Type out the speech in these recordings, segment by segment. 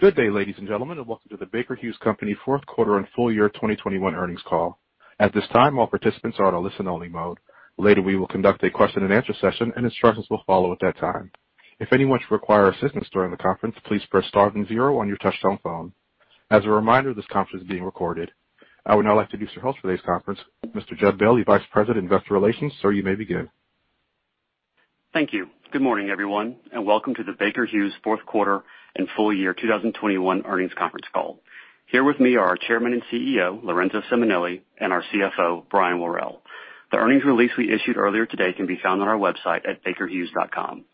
Good day, ladies and gentlemen, and welcome to the Baker Hughes Company fourth quarter and full year 2021 earnings call. At this time, all participants are on a listen only mode. Later, we will conduct a question and answer session and instructions will follow at that time. If anyone should require assistance during the conference, please press star and zero on your touchtone phone. As a reminder, this conference is being recorded. I would now like to introduce your host for today's conference, Mr. Jud Bailey, Vice President, Investor Relations. Sir, you may begin. Thank you. Good morning, everyone, and welcome to the Baker Hughes fourth quarter and full year 2021 earnings conference call. Here with me are our Chairman and CEO, Lorenzo Simonelli, and our CFO, Brian Worrell. The earnings release we issued earlier today can be found on our website at bakerhughes.com.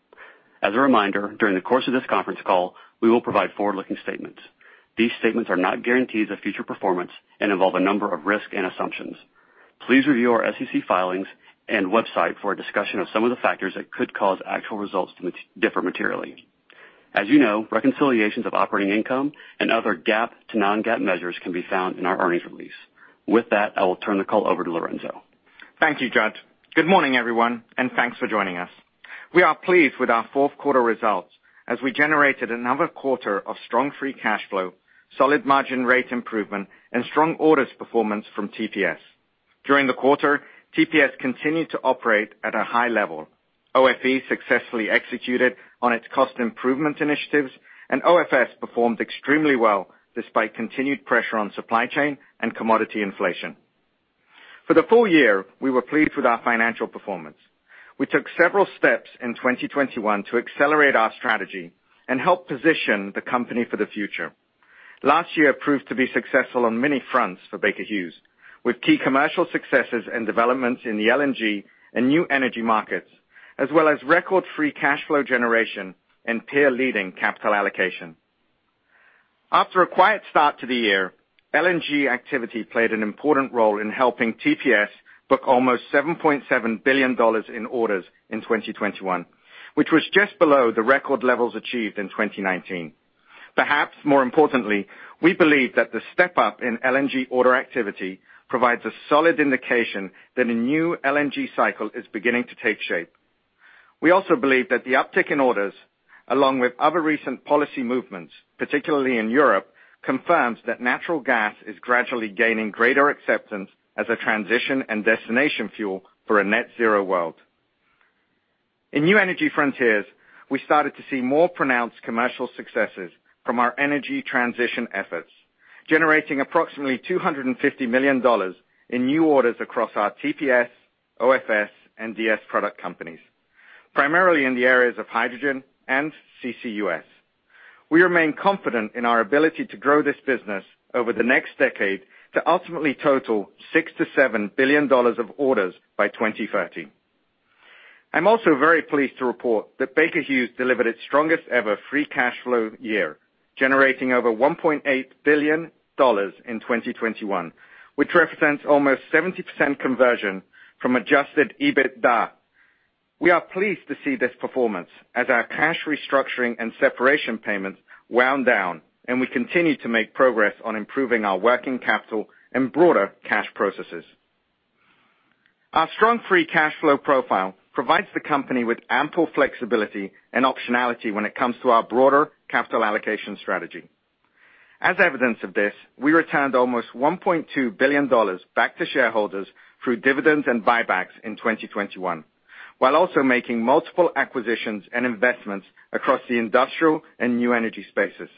As a reminder, during the course of this conference call, we will provide forward-looking statements. These statements are not guarantees of future performance and involve a number of risks and assumptions. Please review our SEC filings and website for a discussion of some of the factors that could cause actual results to differ materially. As you know, reconciliations of operating income and other GAAP to non-GAAP measures can be found in our earnings release. With that, I will turn the call over to Lorenzo. Thank you, Jud. Good morning, everyone, and thanks for joining us. We are pleased with our fourth quarter results as we generated another quarter of strong free cash flow, solid margin rate improvement, and strong orders performance from TPS. During the quarter, TPS continued to operate at a high level. OFE successfully executed on its cost improvement initiatives, and OFS performed extremely well despite continued pressure on supply chain and commodity inflation. For the full year, we were pleased with our financial performance. We took several steps in 2021 to accelerate our strategy and help position the company for the future. Last year proved to be successful on many fronts for Baker Hughes, with key commercial successes and developments in the LNG and new energy markets, as well as record free cash flow generation and peer-leading capital allocation. After a quiet start to the year, LNG activity played an important role in helping TPS book almost $7.7 billion in orders in 2021, which was just below the record levels achieved in 2019. Perhaps more importantly, we believe that the step up in LNG order activity provides a solid indication that a new LNG cycle is beginning to take shape. We also believe that the uptick in orders, along with other recent policy movements, particularly in Europe, confirms that natural gas is gradually gaining greater acceptance as a transition and destination fuel for a net zero world. In new energy frontiers, we started to see more pronounced commercial successes from our energy transition efforts, generating approximately $250 million in new orders across our TPS, OFS, and DS product companies, primarily in the areas of hydrogen and CCUS. We remain confident in our ability to grow this business over the next decade to ultimately total $6 billion-$7 billion of orders by 2030. I'm also very pleased to report that Baker Hughes delivered its strongest ever free cash flow year, generating over $1.8 billion in 2021, which represents almost 70% conversion from adjusted EBITDA. We are pleased to see this performance as our cash restructuring and separation payments wound down, and we continue to make progress on improving our working capital and broader cash processes. Our strong free cash flow profile provides the company with ample flexibility and optionality when it comes to our broader capital allocation strategy. As evidence of this, we returned almost $1.2 billion back to shareholders through dividends and buybacks in 2021, while also making multiple acquisitions and investments across the industrial and new energy spaces.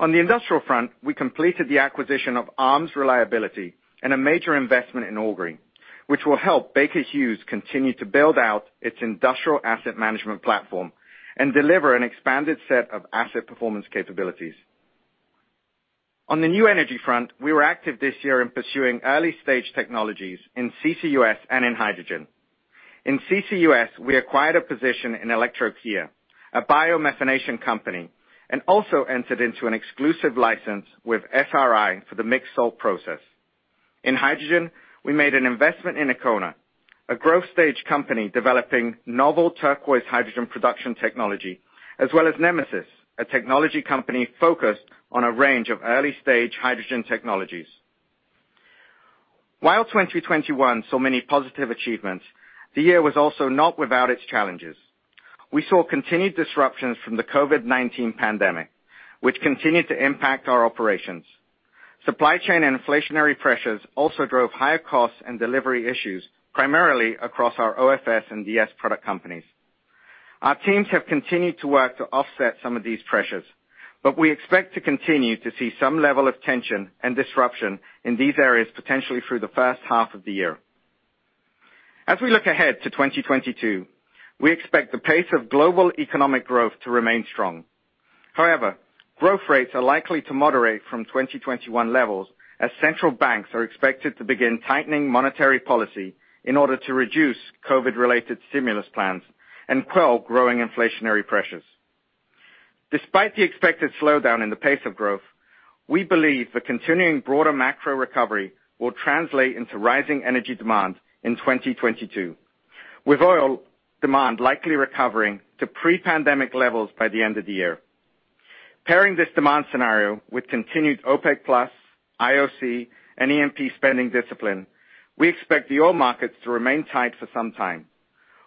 On the industrial front, we completed the acquisition of ARMS Reliability and a major investment in Augury, which will help Baker Hughes continue to build out its Industrial Asset Management platform and deliver an expanded set of asset performance capabilities. On the new energy front, we were active this year in pursuing early-stage technologies in CCUS and in hydrogen. In CCUS, we acquired a position in Electrochaea, a biomethanation company, and also entered into an exclusive license with SRI for the Mixed Salt Process. In hydrogen, we made an investment in Ekona, a growth stage company developing novel turquoise hydrogen production technology, as well as Nemesys, a technology company focused on a range of early-stage hydrogen technologies. While 2021 saw many positive achievements, the year was also not without its challenges. We saw continued disruptions from the COVID-19 pandemic, which continued to impact our operations. Supply chain and inflationary pressures also drove higher costs and delivery issues, primarily across our OFS and DS product companies. Our teams have continued to work to offset some of these pressures, but we expect to continue to see some level of tension and disruption in these areas potentially through the first half of the year. As we look ahead to 2022, we expect the pace of global economic growth to remain strong. However, growth rates are likely to moderate from 2021 levels as central banks are expected to begin tightening monetary policy in order to reduce COVID-related stimulus plans and quell growing inflationary pressures. Despite the expected slowdown in the pace of growth, we believe the continuing broader macro recovery will translate into rising energy demand in 2022, with oil demand likely recovering to pre-pandemic levels by the end of the year. Pairing this demand scenario with continued OPEC+, IOC and E&P spending discipline, we expect the oil markets to remain tight for some time.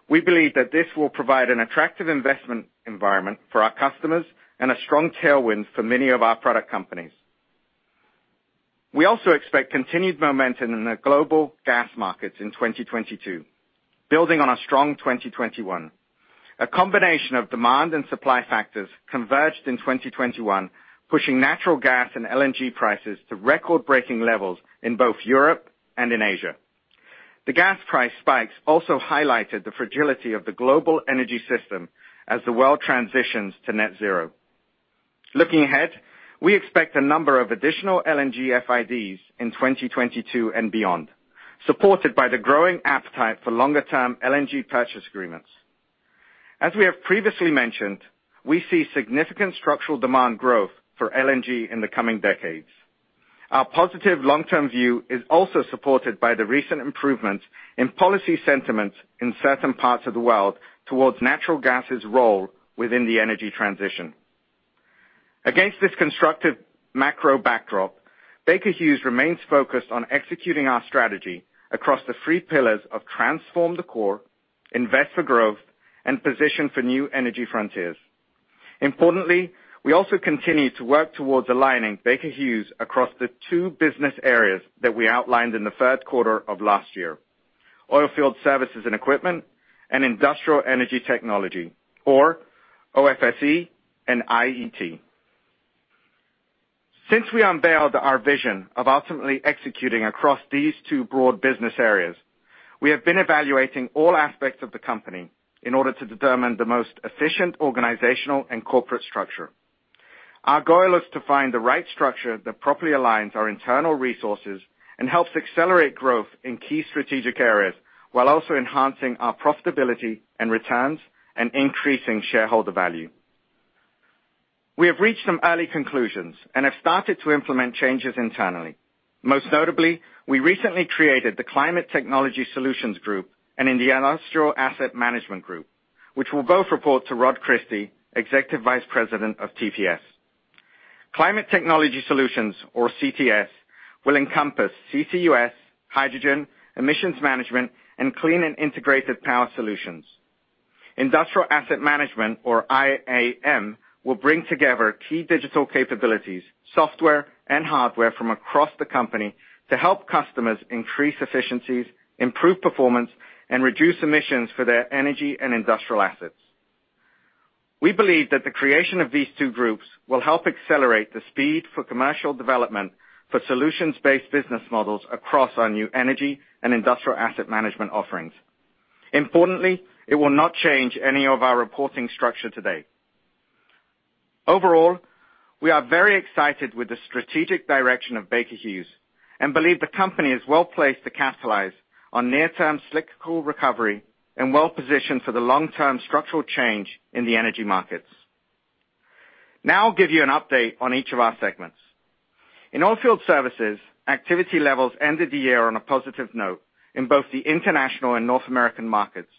We believe that this will provide an attractive investment environment for our customers and a strong tailwind for many of our product companies. We also expect continued momentum in the global gas markets in 2022, building on a strong 2021. A combination of demand and supply factors converged in 2021, pushing natural gas and LNG prices to record-breaking levels in both Europe and in Asia. The gas price spikes also highlighted the fragility of the global energy system as the world transitions to net zero. Looking ahead, we expect a number of additional LNG FIDs in 2022 and beyond, supported by the growing appetite for longer-term LNG purchase agreements. As we have previously mentioned, we see significant structural demand growth for LNG in the coming decades. Our positive long-term view is also supported by the recent improvements in policy sentiments in certain parts of the world towards natural gas's role within the energy transition. Against this constructive macro backdrop, Baker Hughes remains focused on executing our strategy across the three pillars of transform the core, invest for growth, and position for new energy frontiers. Importantly, we also continue to work towards aligning Baker Hughes across the two business areas that we outlined in the third quarter of last year, Oilfield Services and Equipment and Industrial Energy Technology, or OFSE and IET. Since we unveiled our vision of ultimately executing across these two broad business areas, we have been evaluating all aspects of the company in order to determine the most efficient organizational and corporate structure. Our goal is to find the right structure that properly aligns our internal resources and helps accelerate growth in key strategic areas, while also enhancing our profitability and returns and increasing shareholder value. We have reached some early conclusions and have started to implement changes internally. Most notably, we recently created the Climate Technology Solutions Group and Industrial Asset Management Group, which will both report to Rod Christie, Executive Vice President of TPS. Climate Technology Solutions, or CTS, will encompass CCUS, hydrogen, emissions management, and clean and integrated power solutions. Industrial Asset Management, or IAM, will bring together key digital capabilities, software and hardware from across the company to help customers increase efficiencies, improve performance, and reduce emissions for their energy and industrial assets. We believe that the creation of these two groups will help accelerate the speed for commercial development for solutions-based business models across our new energy and industrial asset management offerings. Importantly, it will not change any of our reporting structure today. Overall, we are very excited with the strategic direction of Baker Hughes and believe the company is well placed to capitalize on near-term cyclical recovery and well-positioned for the long-term structural change in the energy markets. Now I'll give you an update on each of our segments. In oilfield services, activity levels ended the year on a positive note in both the international and North American markets,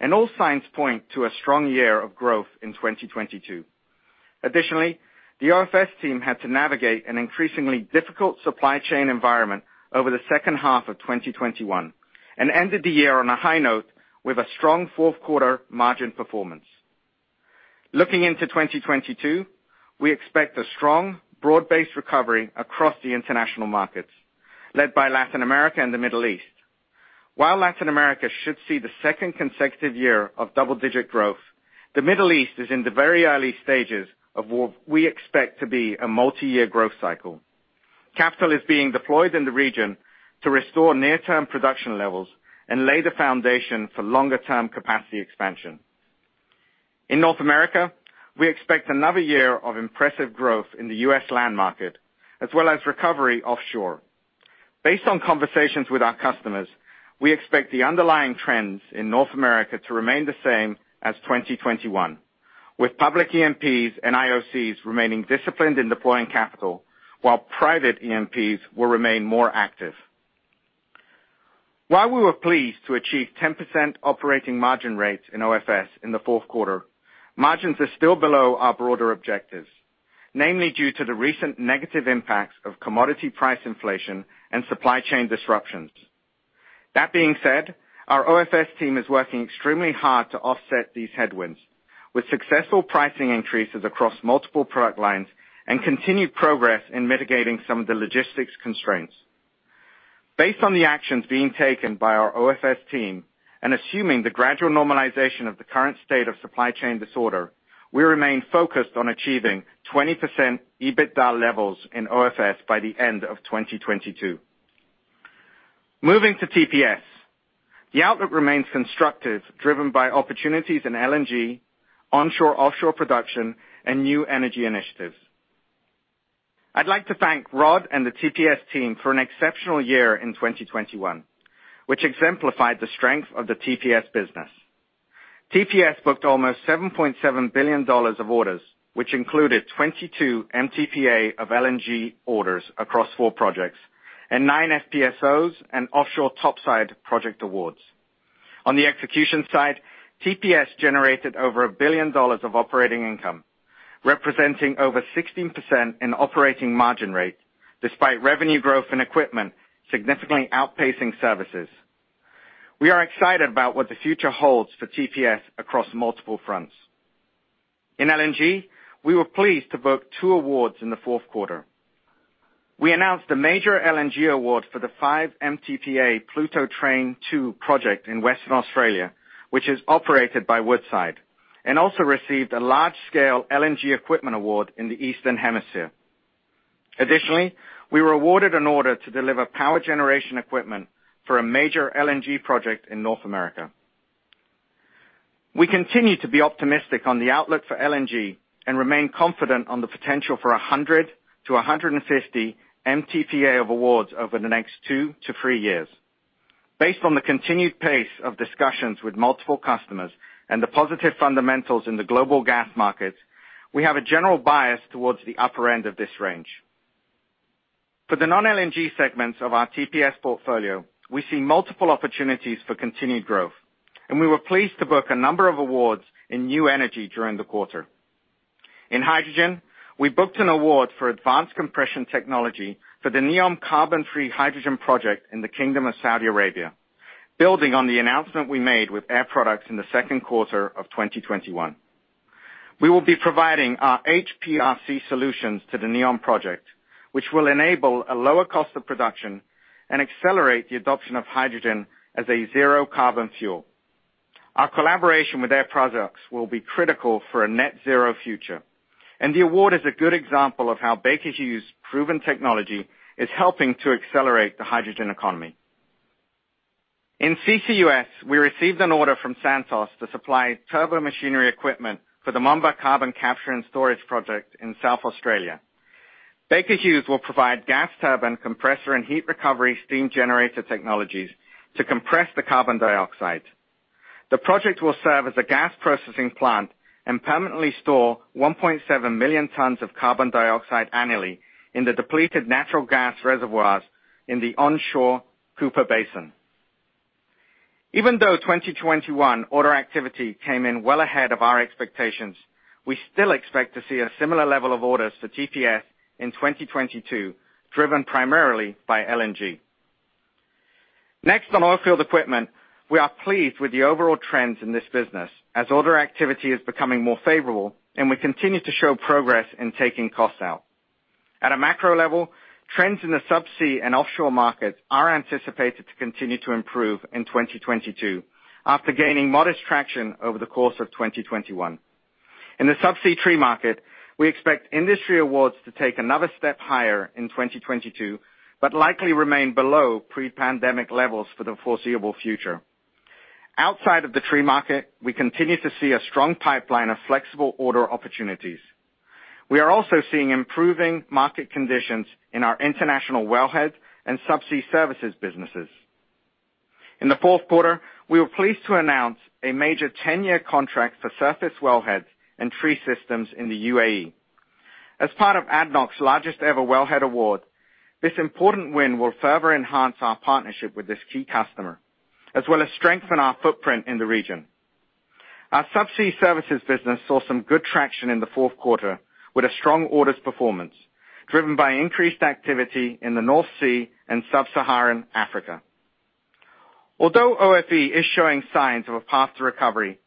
and all signs point to a strong year of growth in 2022. Additionally, the OFS team had to navigate an increasingly difficult supply chain environment over the second half of 2021 and ended the year on a high note with a strong fourth quarter margin performance. Looking into 2022, we expect a strong, broad-based recovery across the international markets, led by Latin America and the Middle East. While Latin America should see the second consecutive year of double-digit growth, the Middle East is in the very early stages of what we expect to be a multi-year growth cycle. Capital is being deployed in the region to restore near-term production levels and lay the foundation for longer-term capacity expansion. In North America, we expect another year of impressive growth in the U.S. land market, as well as recovery offshore. Based on conversations with our customers, we expect the underlying trends in North America to remain the same as 2021, with public E&Ps and IOCs remaining disciplined in deploying capital, while private E&Ps will remain more active. While we were pleased to achieve 10% operating margin rates in OFS in the fourth quarter, margins are still below our broader objectives, namely due to the recent negative impacts of commodity price inflation and supply chain disruptions. That being said, our OFS team is working extremely hard to offset these headwinds with successful pricing increases across multiple product lines and continued progress in mitigating some of the logistics constraints. Based on the actions being taken by our OFS team and assuming the gradual normalization of the current state of supply chain disorder, we remain focused on achieving 20% EBITDA levels in OFS by the end of 2022. Moving to TPS. The outlook remains constructive, driven by opportunities in LNG, onshore/offshore production, and new energy initiatives. I'd like to thank Rod and the TPS team for an exceptional year in 2021, which exemplified the strength of the TPS business. TPS booked almost $7.7 billion of orders, which included 22 MTPA of LNG orders across 4 projects and 9 FPSOs and offshore topside project awards. On the execution side, TPS generated over $1 billion of operating income. Representing over 16% in operating margin rate despite revenue growth in equipment significantly outpacing services. We are excited about what the future holds for TPS across multiple fronts. In LNG, we were pleased to book two awards in the fourth quarter. We announced a major LNG award for the five MTPA Pluto Train two project in Western Australia, which is operated by Woodside, and also received a large-scale LNG equipment award in the Eastern Hemisphere. Additionally, we were awarded an order to deliver power generation equipment for a major LNG project in North America. We continue to be optimistic on the outlook for LNG and remain confident on the potential for 100-150 MTPA of awards over the next two-three-years. Based on the continued pace of discussions with multiple customers and the positive fundamentals in the global gas markets, we have a general bias towards the upper end of this range. For the non-LNG segments of our TPS portfolio, we see multiple opportunities for continued growth, and we were pleased to book a number of awards in new energy during the quarter. In hydrogen, we booked an award for advanced compression technology for the NEOM carbon-free hydrogen project in the Kingdom of Saudi Arabia, building on the announcement we made with Air Products in the second quarter of 2021. We will be providing our HPRC solutions to the NEOM project, which will enable a lower cost of production and accelerate the adoption of hydrogen as a zero carbon fuel. Our collaboration with Air Products will be critical for a net zero future, and the award is a good example of how Baker Hughes proven technology is helping to accelerate the hydrogen economy. In CCUS, we received an order from Santos to supply turbomachinery equipment for the Moomba carbon capture and storage project in South Australia. Baker Hughes will provide gas turbine compressor and heat recovery steam generator technologies to compress the carbon dioxide. The project will serve as a gas processing plant and permanently store 1.7 million tons of carbon dioxide annually in the depleted natural gas reservoirs in the onshore Cooper Basin. Even though 2021 order activity came in well ahead of our expectations, we still expect to see a similar level of orders for TPS in 2022, driven primarily by LNG. Next, on oilfield equipment, we are pleased with the overall trends in this business, as order activity is becoming more favorable, and we continue to show progress in taking costs out. At a macro level, trends in the subsea and offshore markets are anticipated to continue to improve in 2022 after gaining modest traction over the course of 2021. In the subsea tree market, we expect industry awards to take another step higher in 2022, but likely remain below pre-pandemic levels for the foreseeable future. Outside of the tree market, we continue to see a strong pipeline of flexible order opportunities. We are also seeing improving market conditions in our international wellhead and subsea services businesses. In the fourth quarter, we were pleased to announce a major 10-year contract for surface wellheads and tree systems in the U.A.E. As part of ADNOC's largest ever wellhead award, this important win will further enhance our partnership with this key customer, as well as strengthen our footprint in the region. Our subsea services business saw some good traction in the fourth quarter, with a strong orders performance driven by increased activity in the North Sea and Sub-Saharan Africa. Although OFE is showing signs of a path to recovery,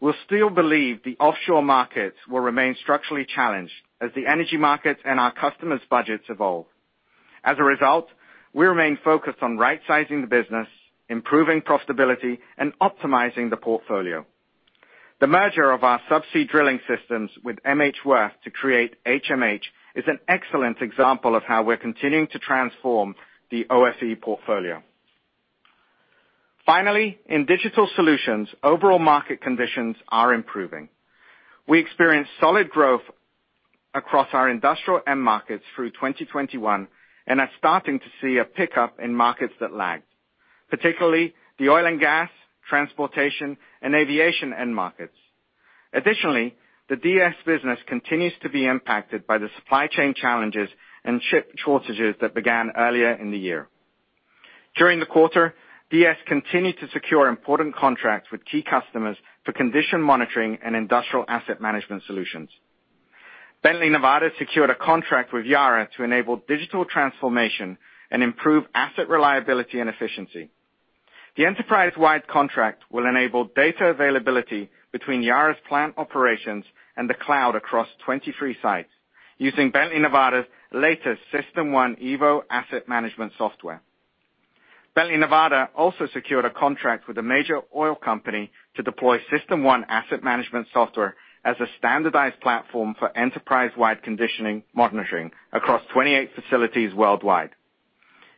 we still believe the offshore markets will remain structurally challenged as the energy markets and our customers' budgets evolve. As a result, we remain focused on rightsizing the business, improving profitability, and optimizing the portfolio. The merger of our subsea drilling systems with MHWirth to create HMH is an excellent example of how we're continuing to transform the OFE portfolio. Finally, in digital solutions, overall market conditions are improving. We experienced solid growth across our industrial end markets through 2021 and are starting to see a pickup in markets that lagged, particularly the oil and gas, transportation, and aviation end markets. Additionally, the DS business continues to be impacted by the supply chain challenges and ship shortages that began earlier in the year. During the quarter, DS continued to secure important contracts with key customers for condition monitoring and industrial asset management solutions. Bently Nevada secured a contract with Yara to enable digital transformation and improve asset reliability and efficiency. The enterprise-wide contract will enable data availability between Yara's plant operations and the cloud across 23 sites using Bently Nevada's latest System 1 Evo asset management software. Bently Nevada also secured a contract with a major oil company to deploy System 1 asset management software as a standardized platform for enterprise-wide condition monitoring across 28 facilities worldwide.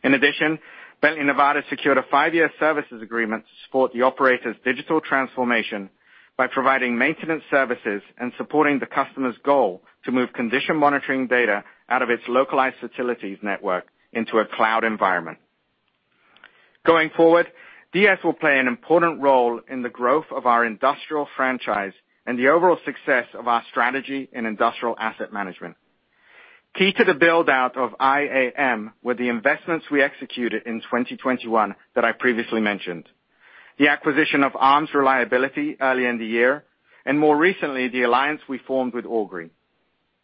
In addition, Bently Nevada secured a five-year services agreement to support the operator's digital transformation by providing maintenance services and supporting the customer's goal to move condition monitoring data out of its localized facilities network into a cloud environment. Going forward, DS will play an important role in the growth of our industrial franchise and the overall success of our strategy in industrial asset management. Key to the build-out of IAM were the investments we executed in 2021 that I previously mentioned. The acquisition of ARMS Reliability early in the year, and more recently, the alliance we formed with Augury.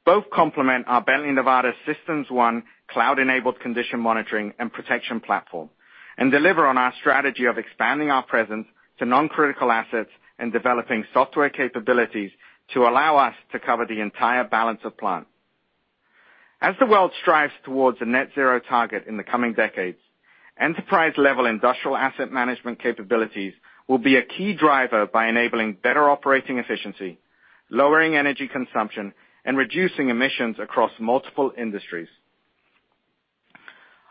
Both complement our Bently Nevada System 1 cloud-enabled condition monitoring and protection platform and deliver on our strategy of expanding our presence to non-critical assets and developing software capabilities to allow us to cover the entire balance of plant. As the world strives towards a net zero target in the coming decades, enterprise-level industrial asset management capabilities will be a key driver by enabling better operating efficiency, lowering energy consumption, and reducing emissions across multiple industries.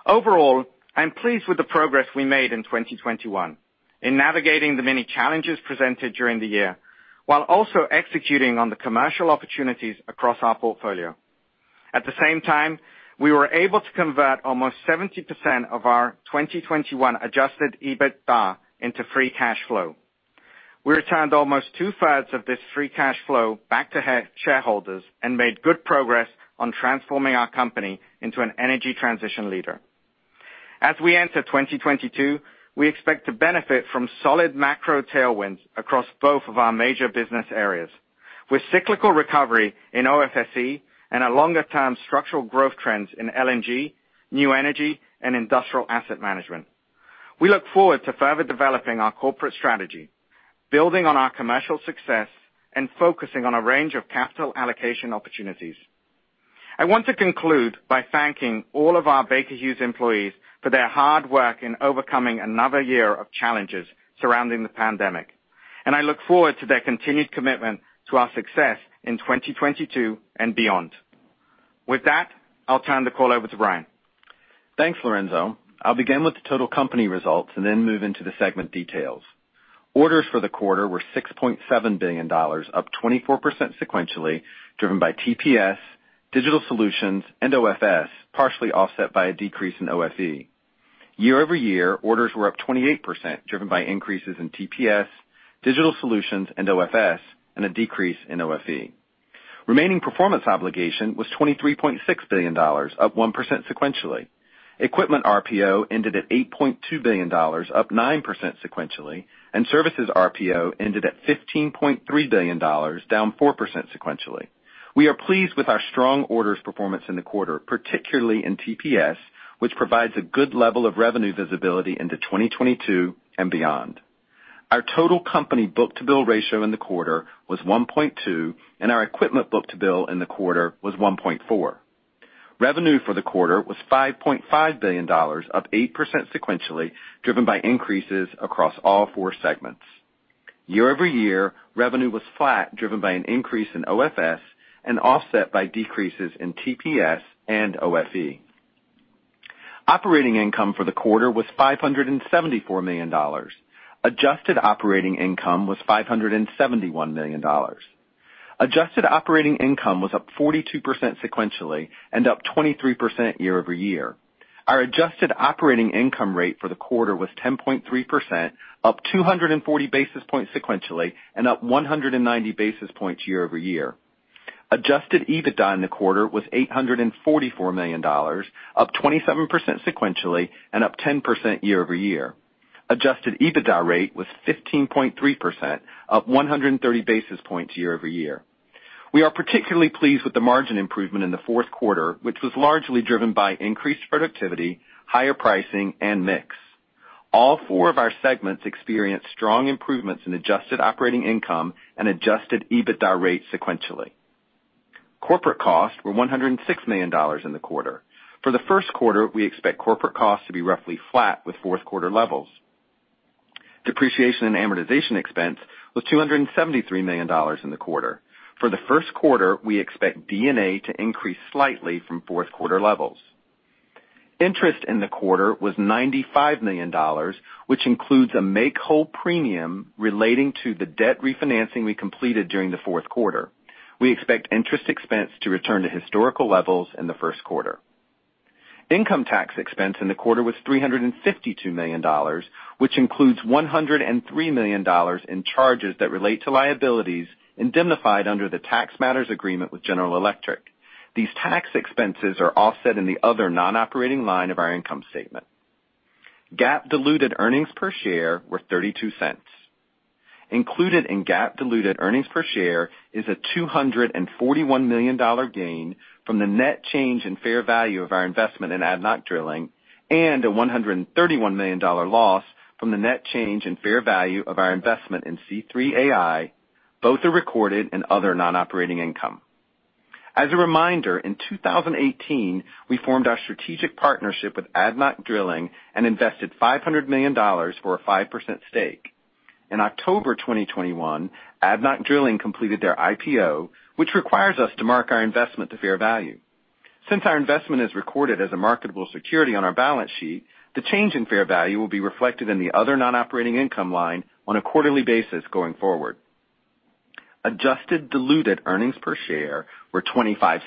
Overall, I'm pleased with the progress we made in 2021 in navigating the many challenges presented during the year, while also executing on the commercial opportunities across our portfolio. At the same time, we were able to convert almost 70% of our 2021 adjusted EBITDA into free cash flow. We returned almost two-thirds of this free cash flow back to shareholders and made good progress on transforming our company into an energy transition leader. As we enter 2022, we expect to benefit from solid macro tailwinds across both of our major business areas with cyclical recovery in OFSE and a longer-term structural growth trends in LNG, new energy, and industrial asset management. We look forward to further developing our corporate strategy, building on our commercial success, and focusing on a range of capital allocation opportunities. I want to conclude by thanking all of our Baker Hughes employees for their hard work in overcoming another year of challenges surrounding the pandemic, and I look forward to their continued commitment to our success in 2022 and beyond. With that, I'll turn the call over to Brian. Thanks, Lorenzo. I'll begin with the total company results and then move into the segment details. Orders for the quarter were $6.7 billion, up 24% sequentially, driven by TPS, digital solutions, and OFS, partially offset by a decrease in OFE. Year-over-year, orders were up 28%, driven by increases in TPS, digital solutions, and OFS, and a decrease in OFE. Remaining performance obligation was $23.6 billion, up 1% sequentially. Equipment RPO ended at $8.2 billion, up 9% sequentially, and services RPO ended at $15.3 billion, down 4% sequentially. We are pleased with our strong orders performance in the quarter, particularly in TPS, which provides a good level of revenue visibility into 2022 and beyond. Our total company book-to-bill ratio in the quarter was 1.2, and our equipment book-to-bill in the quarter was 1.4. Revenue for the quarter was $5.5 billion, up 8% sequentially, driven by increases across all four segments. Year-over-year, revenue was flat, driven by an increase in OFS and offset by decreases in TPS and OFE. Operating income for the quarter was $574 million. Adjusted operating income was $571 million. Adjusted operating income was up 42% sequentially and up 23% year-over-year. Our adjusted operating income rate for the quarter was 10.3%, up 240 basis points sequentially and up 190 basis points year-over-year. Adjusted EBITDA in the quarter was $844 million, up 27% sequentially and up 10% year-over-year. Adjusted EBITDA rate was 15.3%, up 130 basis points year-over-year. We are particularly pleased with the margin improvement in the fourth quarter, which was largely driven by increased productivity, higher pricing, and mix. All four of our segments experienced strong improvements in adjusted operating income and adjusted EBITDA rates sequentially. Corporate costs were $106 million in the quarter. For the first quarter, we expect corporate costs to be roughly flat with fourth quarter levels. Depreciation and amortization expense was $273 million in the quarter. For the first quarter, we expect D&A to increase slightly from fourth quarter levels. Interest in the quarter was $95 million, which includes a make-whole premium relating to the debt refinancing we completed during the fourth quarter. We expect interest expense to return to historical levels in the first quarter. Income tax expense in the quarter was $352 million, which includes $103 million in charges that relate to liabilities indemnified under the tax matters agreement with General Electric. These tax expenses are offset in the other non-operating line of our income statement. GAAP diluted earnings per share were 32 cents. Included in GAAP diluted earnings per share is a $241 million gain from the net change in fair value of our investment in ADNOC Drilling and a $131 million loss from the net change in fair value of our investment in C3.ai. Both are recorded in other non-operating income. As a reminder, in 2018, we formed our strategic partnership with ADNOC Drilling and invested $500 million for a 5% stake. In October 2021, ADNOC Drilling completed their IPO, which requires us to mark our investment to fair value. Since our investment is recorded as a marketable security on our balance sheet, the change in fair value will be reflected in the other non-operating income line on a quarterly basis going forward. Adjusted diluted earnings per share were $0.25.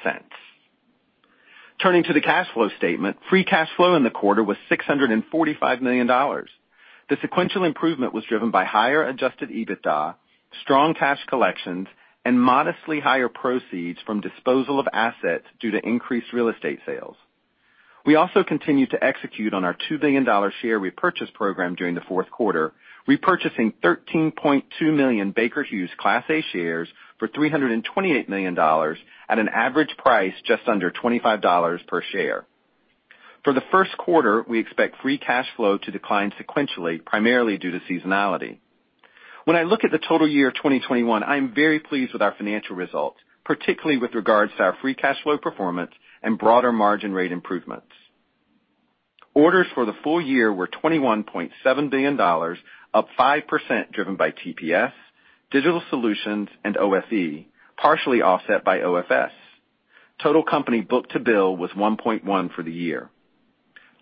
Turning to the cash flow statement, free cash flow in the quarter was $645 million. The sequential improvement was driven by higher adjusted EBITDA, strong cash collections, and modestly higher proceeds from disposal of assets due to increased real estate sales. We also continued to execute on our $2 billion share repurchase program during the fourth quarter, repurchasing 13.2 million Baker Hughes Class A shares for $328 million at an average price just under $25 per share. For the first quarter, we expect free cash flow to decline sequentially, primarily due to seasonality. When I look at the total year 2021, I am very pleased with our financial results, particularly with regards to our free cash flow performance and broader margin rate improvements. Orders for the full year were $21.7 billion, up 5% driven by TPS, digital solutions, and OFE, partially offset by OFS. Total company book-to-bill was 1.1 for the year.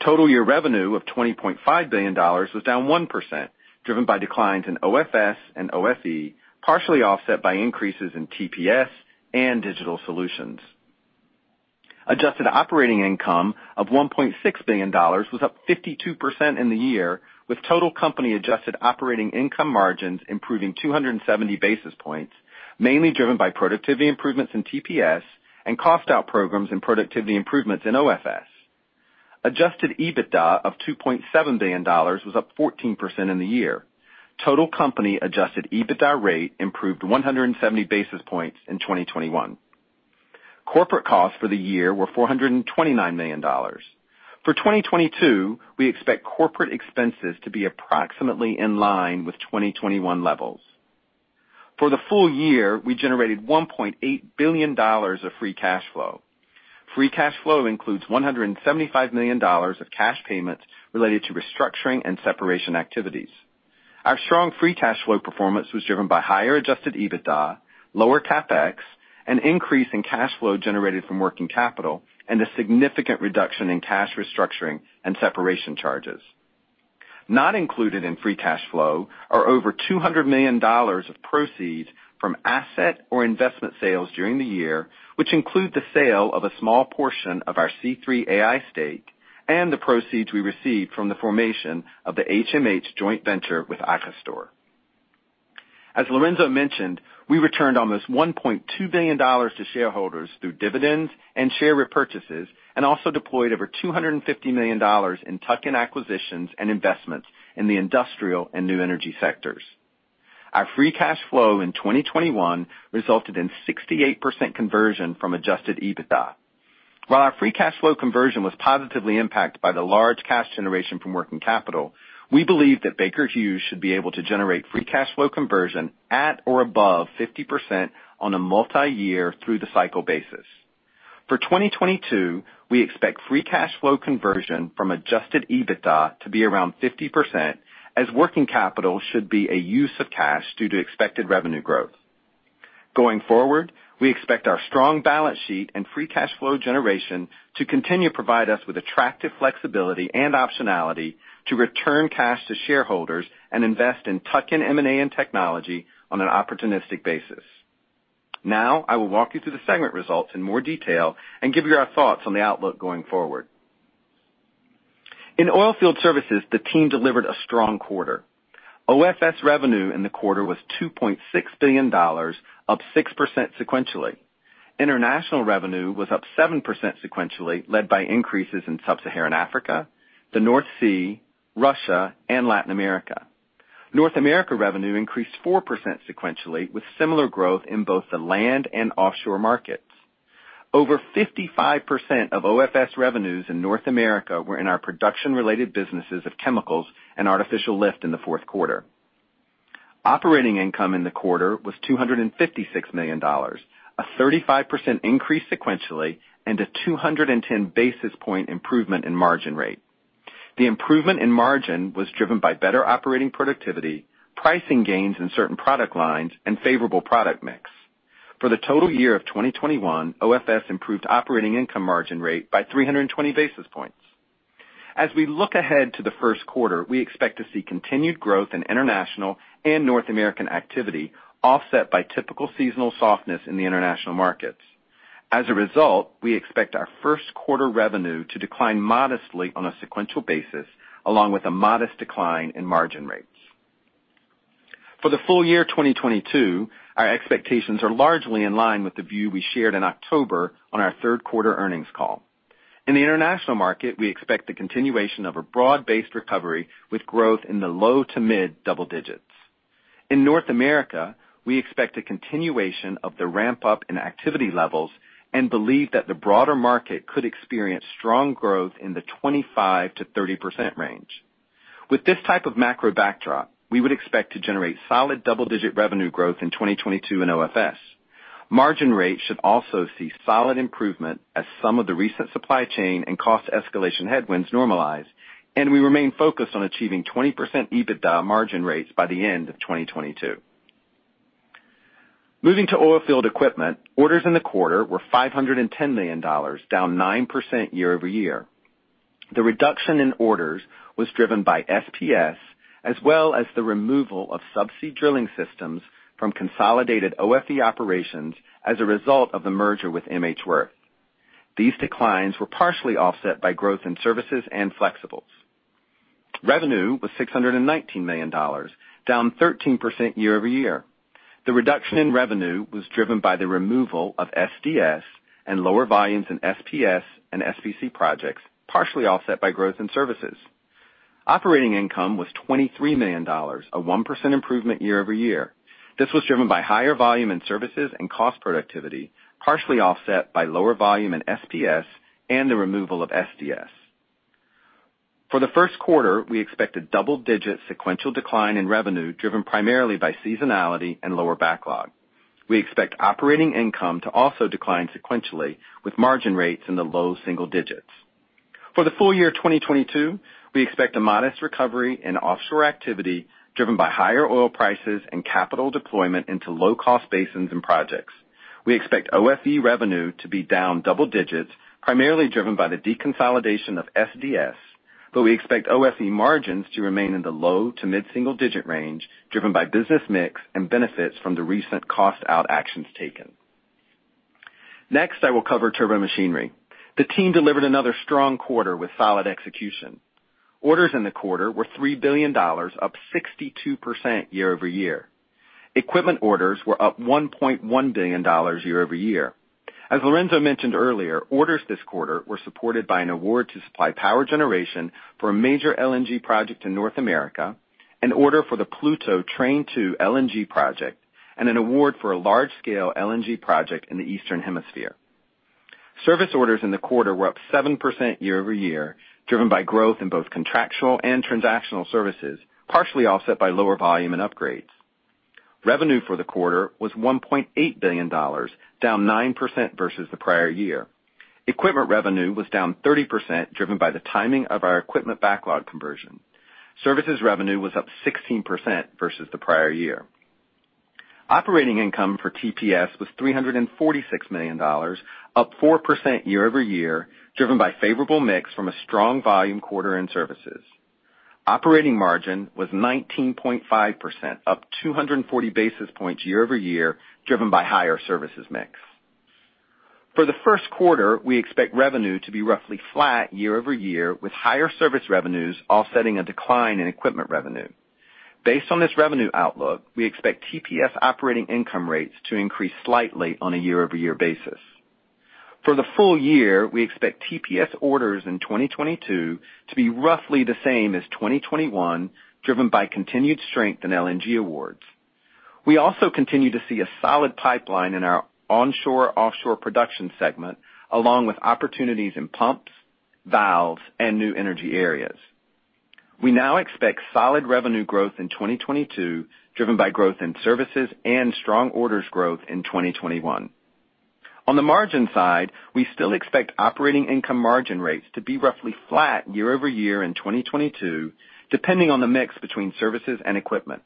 Total year revenue of $20.5 billion was down 1%, driven by declines in OFS and OFE, partially offset by increases in TPS and digital solutions. Adjusted operating income of $1.6 billion was up 52% in the year, with total company adjusted operating income margins improving 270 basis points, mainly driven by productivity improvements in TPS and cost out programs and productivity improvements in OFS. Adjusted EBITDA of $2.7 billion was up 14% in the year. Total company adjusted EBITDA rate improved 170 basis points in 2021. Corporate costs for the year were $429 million. For 2022, we expect corporate expenses to be approximately in line with 2021 levels. For the full year, we generated $1.8 billion of free cash flow. Free cash flow includes $175 million of cash payments related to restructuring and separation activities. Our strong free cash flow performance was driven by higher adjusted EBITDA, lower CapEx, an increase in cash flow generated from working capital, and a significant reduction in cash restructuring and separation charges. Not included in free cash flow are over $200 million of proceeds from asset or investment sales during the year, which include the sale of a small portion of our C3.ai stake and the proceeds we received from the formation of the HMH joint venture with Akastor. As Lorenzo mentioned, we returned almost $1.2 billion to shareholders through dividends and share repurchases, and also deployed over $250 million in tuck-in acquisitions and investments in the industrial and new energy sectors. Our free cash flow in 2021 resulted in 68% conversion from adjusted EBITDA. While our free cash flow conversion was positively impacted by the large cash generation from working capital, we believe that Baker Hughes should be able to generate free cash flow conversion at or above 50% on a multi-year through-the-cycle basis. For 2022, we expect free cash flow conversion from adjusted EBITDA to be around 50%, as working capital should be a use of cash due to expected revenue growth. Going forward, we expect our strong balance sheet and free cash flow generation to continue to provide us with attractive flexibility and optionality to return cash to shareholders and invest in tuck-in M&A and technology on an opportunistic basis. Now, I will walk you through the segment results in more detail and give you our thoughts on the outlook going forward. In Oilfield Services, the team delivered a strong quarter. OFS revenue in the quarter was $2.6 billion, up 6% sequentially. International revenue was up 7% sequentially, led by increases in Sub-Saharan Africa, the North Sea, Russia, and Latin America. North America revenue increased 4% sequentially, with similar growth in both the land and offshore markets. Over 55% of OFS revenues in North America were in our production-related businesses of chemicals and artificial lift in the fourth quarter. Operating income in the quarter was $256 million, a 35% increase sequentially and a 210 basis point improvement in margin rate. The improvement in margin was driven by better operating productivity, pricing gains in certain product lines, and favorable product mix. For the total year of 2021, OFS improved operating income margin rate by 320 basis points. As we look ahead to the first quarter, we expect to see continued growth in international and North American activity offset by typical seasonal softness in the international markets. As a result, we expect our first quarter revenue to decline modestly on a sequential basis, along with a modest decline in margin rates. For the full year 2022, our expectations are largely in line with the view we shared in October on our third quarter earnings call. In the international market, we expect the continuation of a broad-based recovery with growth in the low- to mid-double digits. In North America, we expect a continuation of the ramp up in activity levels and believe that the broader market could experience strong growth in the 25%-30% range. With this type of macro backdrop, we would expect to generate solid double-digit revenue growth in 2022 in OFS. Margin rates should also see solid improvement as some of the recent supply chain and cost escalation headwinds normalize, and we remain focused on achieving 20% EBITDA margin rates by the end of 2022. Moving to oilfield equipment, orders in the quarter were $510 million, down 9% year-over-year. The reduction in orders was driven by SPS as well as the removal of subsea drilling systems from consolidated OFE operations as a result of the merger with MHWirth. These declines were partially offset by growth in services and flexibles. Revenue was $619 million, down 13% year-over-year. The reduction in revenue was driven by the removal of SDS and lower volumes in SPS and SPC projects, partially offset by growth in services. Operating income was $23 million, a 1% improvement year-over-year. This was driven by higher volume in services and cost productivity, partially offset by lower volume in SPS and the removal of SDS. For the first quarter, we expect a double-digit sequential decline in revenue driven primarily by seasonality and lower backlog. We expect operating income to also decline sequentially with margin rates in the low single digits. For the full year 2022, we expect a modest recovery in offshore activity driven by higher oil prices and capital deployment into low-cost basins and projects. We expect OFE revenue to be down double digits, primarily driven by the deconsolidation of SDS, but we expect OFE margins to remain in the low to mid-single digit range, driven by business mix and benefits from the recent cost-out actions taken. Next, I will cover Turbomachinery. The team delivered another strong quarter with solid execution. Orders in the quarter were $3 billion, up 62% year-over-year. Equipment orders were up $1.1 billion year-over-year. As Lorenzo mentioned earlier, orders this quarter were supported by an award to supply power generation for a major LNG project in North America, an order for the Pluto Train 2 LNG project, and an award for a large-scale LNG project in the Eastern Hemisphere. Service orders in the quarter were up 7% year-over-year, driven by growth in both contractual and transactional services, partially offset by lower volume and upgrades. Revenue for the quarter was $1.8 billion, down 9% versus the prior year. Equipment revenue was down 30%, driven by the timing of our equipment backlog conversion. Services revenue was up 16% versus the prior year. Operating income for TPS was $346 million, up 4% year-over-year, driven by favorable mix from a strong volume quarter in services. Operating margin was 19.5%, up 240 basis points year-over-year, driven by higher services mix. For the first quarter, we expect revenue to be roughly flat year-over-year, with higher service revenues offsetting a decline in equipment revenue. Based on this revenue outlook, we expect TPS operating income rates to increase slightly on a year-over-year basis. For the full year, we expect TPS orders in 2022 to be roughly the same as 2021, driven by continued strength in LNG awards. We also continue to see a solid pipeline in our onshore-offshore production segment, along with opportunities in pumps, valves, and new energy areas. We now expect solid revenue growth in 2022, driven by growth in services and strong orders growth in 2021. On the margin side, we still expect operating income margin rates to be roughly flat year-over-year in 2022, depending on the mix between services and equipment.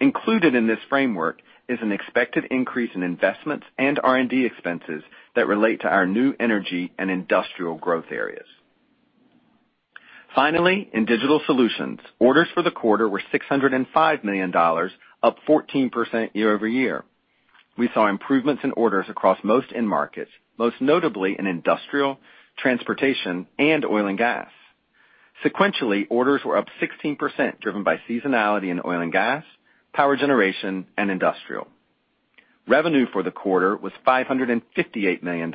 Included in this framework is an expected increase in investments and R&D expenses that relate to our new energy and industrial growth areas. Finally, in Digital Solutions, orders for the quarter were $605 million, up 14% year-over-year. We saw improvements in orders across most end markets, most notably in industrial, transportation, and oil and gas. Sequentially, orders were up 16%, driven by seasonality in oil and gas, power generation, and industrial. Revenue for the quarter was $558 million,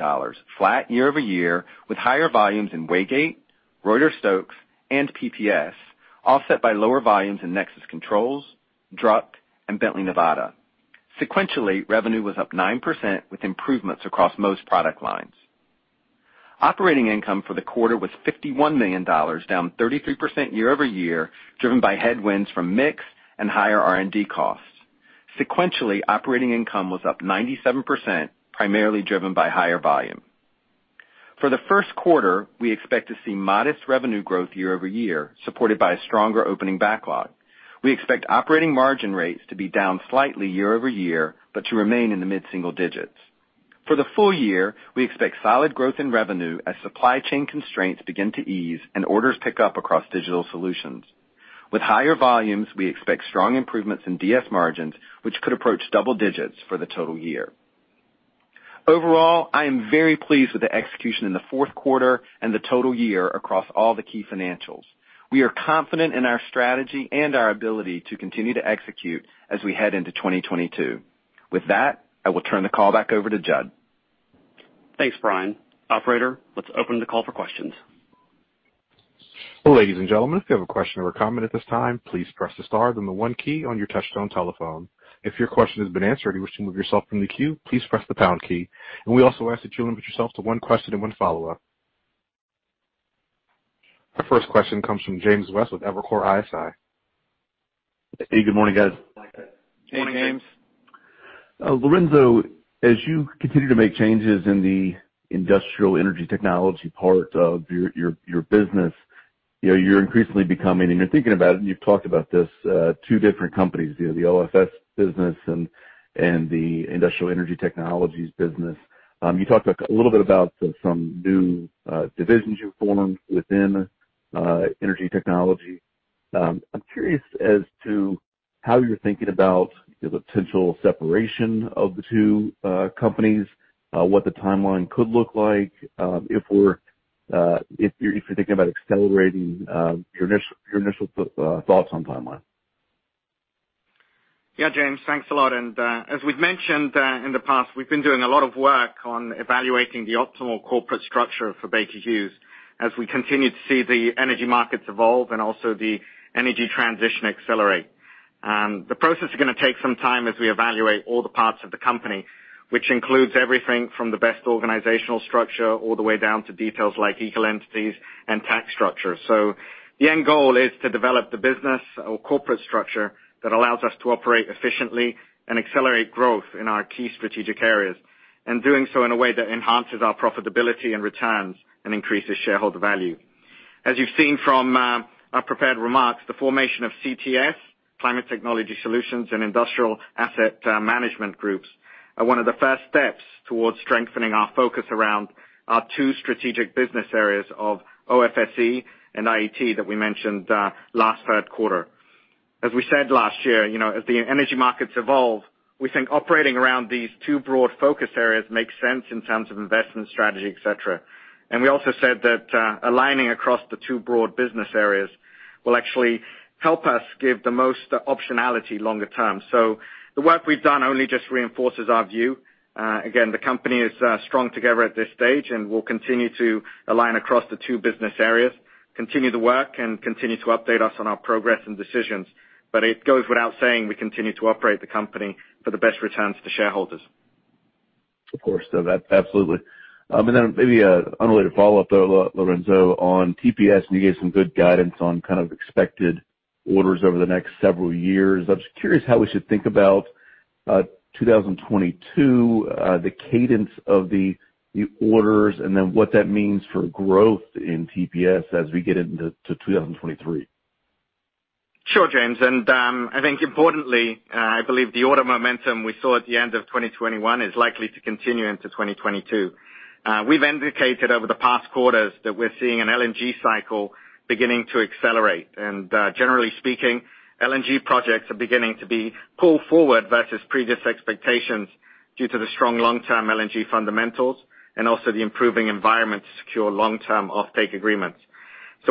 flat year-over-year, with higher volumes in Waygate, Reuter-Stokes, and PPS, offset by lower volumes in Nexus Controls, Druck, and Bently Nevada. Sequentially, revenue was up 9%, with improvements across most product lines. Operating income for the quarter was $51 million, down 33% year-over-year, driven by headwinds from mix and higher R&D costs. Sequentially, operating income was up 97%, primarily driven by higher volume. For the first quarter, we expect to see modest revenue growth year-over-year, supported by a stronger opening backlog. We expect operating margin rates to be down slightly year-over-year, but to remain in the mid-single digits. For the full year, we expect solid growth in revenue as supply chain constraints begin to ease and orders pick up across Digital Solutions. With higher volumes, we expect strong improvements in DS margins, which could approach double digits for the total year. Overall, I am very pleased with the execution in the fourth quarter and the total year across all the key financials. We are confident in our strategy and our ability to continue to execute as we head into 2022. With that, I will turn the call back over to Jud. Thanks, Brian. Operator, let's open the call for questions. Ladies and gentlemen, if you have a question or a comment at this time, please press the star then the one key on your touchtone telephone. If your question has been answered and you wish to move yourself from the queue, please press the pound key. We also ask that you limit yourself to one question and one follow-up. Our first question comes from James West with Evercore ISI. Hey, good morning, guys. Morning, James. Lorenzo, as you continue to make changes in the industrial energy technology part of your business, you know, you're increasingly becoming, and you're thinking about it, and you've talked about this, two different companies. You know, the OFS business and the industrial energy technologies business. You talked a little bit about some new divisions you formed within energy technology. I'm curious as to how you're thinking about the potential separation of the two companies, what the timeline could look like, if you're thinking about accelerating your initial thoughts on timeline. Yeah, James, thanks a lot. As we've mentioned in the past, we've been doing a lot of work on evaluating the optimal corporate structure for Baker Hughes as we continue to see the energy markets evolve and also the energy transition accelerate. The process is gonna take some time as we evaluate all the parts of the company, which includes everything from the best organizational structure all the way down to details like legal entities and tax structure. The end goal is to develop the business or corporate structure that allows us to operate efficiently and accelerate growth in our key strategic areas, and doing so in a way that enhances our profitability and returns and increases shareholder value. As you've seen from our prepared remarks, the formation of CTS, Climate Technology Solutions, and Industrial Asset Management groups are one of the first steps towards strengthening our focus around our two strategic business areas of OFSE and IET that we mentioned last third quarter. As we said last year, you know, as the energy markets evolve, we think operating around these two broad focus areas makes sense in terms of investment strategy, et cetera. We also said that aligning across the two broad business areas will actually help us give the most optionality longer term. The work we've done only just reinforces our view. Again, the company is strong together at this stage, and we'll continue to align across the two business areas, continue the work, and continue to update us on our progress and decisions. It goes without saying we continue to operate the company for the best returns to shareholders. Of course, that absolutely. And then maybe an unrelated follow-up, though, Lorenzo, on TPS, and you gave some good guidance on kind of expected orders over the next several years. I was just curious how we should think about 2022, the cadence of the orders, and then what that means for growth in TPS as we get into 2023. Sure, James. I think importantly, I believe the order momentum we saw at the end of 2021 is likely to continue into 2022. We've indicated over the past quarters that we're seeing an LNG cycle beginning to accelerate. Generally speaking, LNG projects are beginning to be pulled forward versus previous expectations due to the strong long-term LNG fundamentals and also the improving environment to secure long-term offtake agreements.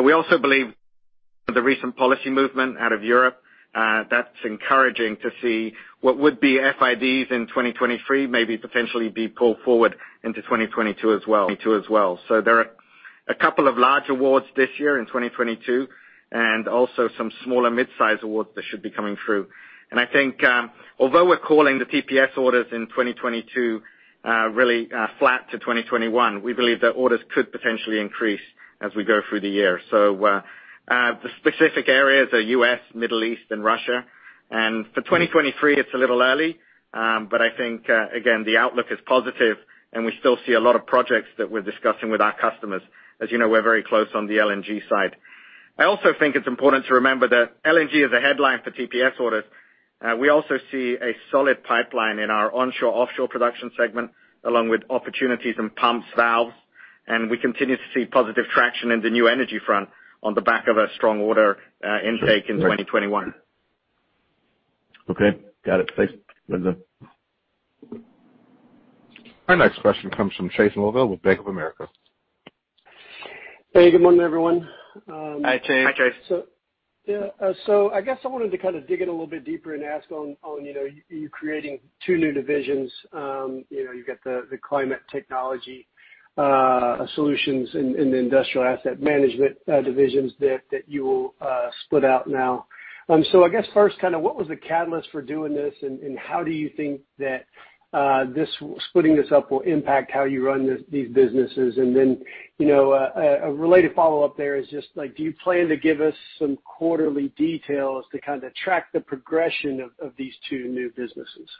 We also believe the recent policy movement out of Europe, that's encouraging to see what would be FIDs in 2023 maybe potentially be pulled forward into 2022 as well. There are a couple of large awards this year in 2022, and also some smaller mid-size awards that should be coming through. I think, although we're calling the TPS orders in 2022, really, flat to 2021, we believe that orders could potentially increase as we go through the year. The specific areas are U.S., Middle East, and Russia. For 2023, it's a little early, but I think, again, the outlook is positive, and we still see a lot of projects that we're discussing with our customers. As you know, we're very close on the LNG side. I also think it's important to remember that LNG is a headline for TPS orders. We also see a solid pipeline in our onshore, offshore production segment, along with opportunities in pumps, valves, and we continue to see positive traction in the new energy front on the back of a strong order, intake in 2021. Okay. Got it. Thanks, Lorenzo. Our next question comes from Chase Mulvehill with Bank of America. Hey, good morning, everyone. Hi, Chase. Hi, Chase. Yeah. I guess I wanted to kind of dig in a little bit deeper and ask on, you know, you creating two new divisions. You know, you've got the Climate Technology Solutions and the Industrial Asset Management divisions that you will split out now. I guess first kind of what was the catalyst for doing this, and how do you think that this splitting this up will impact how you run these businesses? Then, you know, a related follow-up there is just like, do you plan to give us some quarterly details to kind of track the progression of these two new businesses?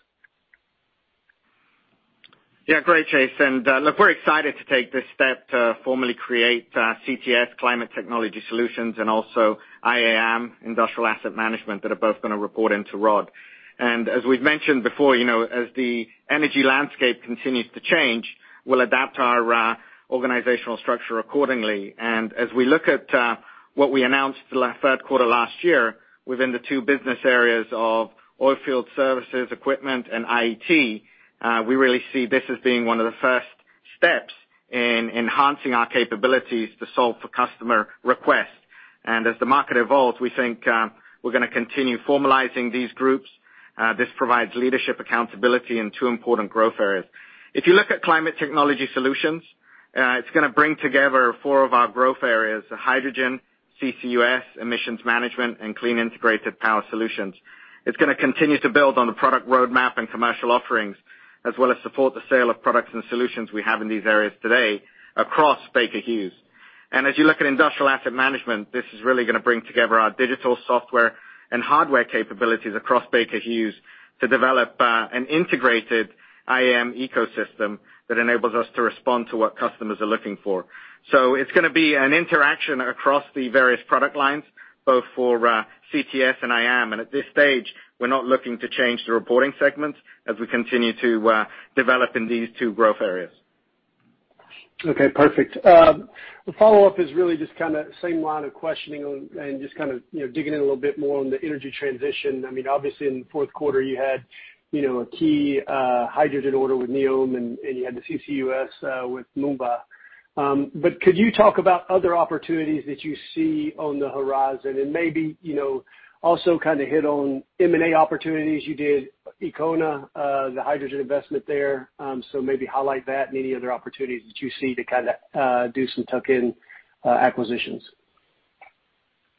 Yeah. Great, Chase. Look, we're excited to take this step to formally create CTS, Climate Technology Solutions, and also IAM, Industrial Asset Management, that are both gonna report into Rod. As we've mentioned before, you know, as the energy landscape continues to change, we'll adapt our organizational structure accordingly. As we look at what we announced in the third quarter last year within the two business areas of Oilfield Services & Equipment, and IET, we really see this as being one of the first steps in enhancing our capabilities to solve for customer requests. As the market evolves, we think, we're gonna continue formalizing these groups. This provides leadership accountability in two important growth areas. If you look at Climate Technology Solutions, it's gonna bring together four of our growth areas, hydrogen, CCUS, emissions management, and clean integrated power solutions. It's gonna continue to build on the product roadmap and commercial offerings, as well as support the sale of products and solutions we have in these areas today across Baker Hughes. As you look at Industrial Asset Management, this is really gonna bring together our digital software and hardware capabilities across Baker Hughes to develop an integrated IAM ecosystem that enables us to respond to what customers are looking for. It's gonna be an interaction across the various product lines, both for CTS and IAM. At this stage, we're not looking to change the reporting segments as we continue to develop in these two growth areas. Okay, perfect. The follow-up is really just kind of the same line of questioning and just kind of, you know, digging in a little bit more on the energy transition. I mean, obviously in the fourth quarter you had, you know, a key hydrogen order with NEOM and you had the CCUS with Moomba. But could you talk about other opportunities that you see on the horizon? And maybe, you know, also kind of hit on M&A opportunities. You did Ekona, the hydrogen investment there. So maybe highlight that and any other opportunities that you see to kind of do some tuck-in acquisitions.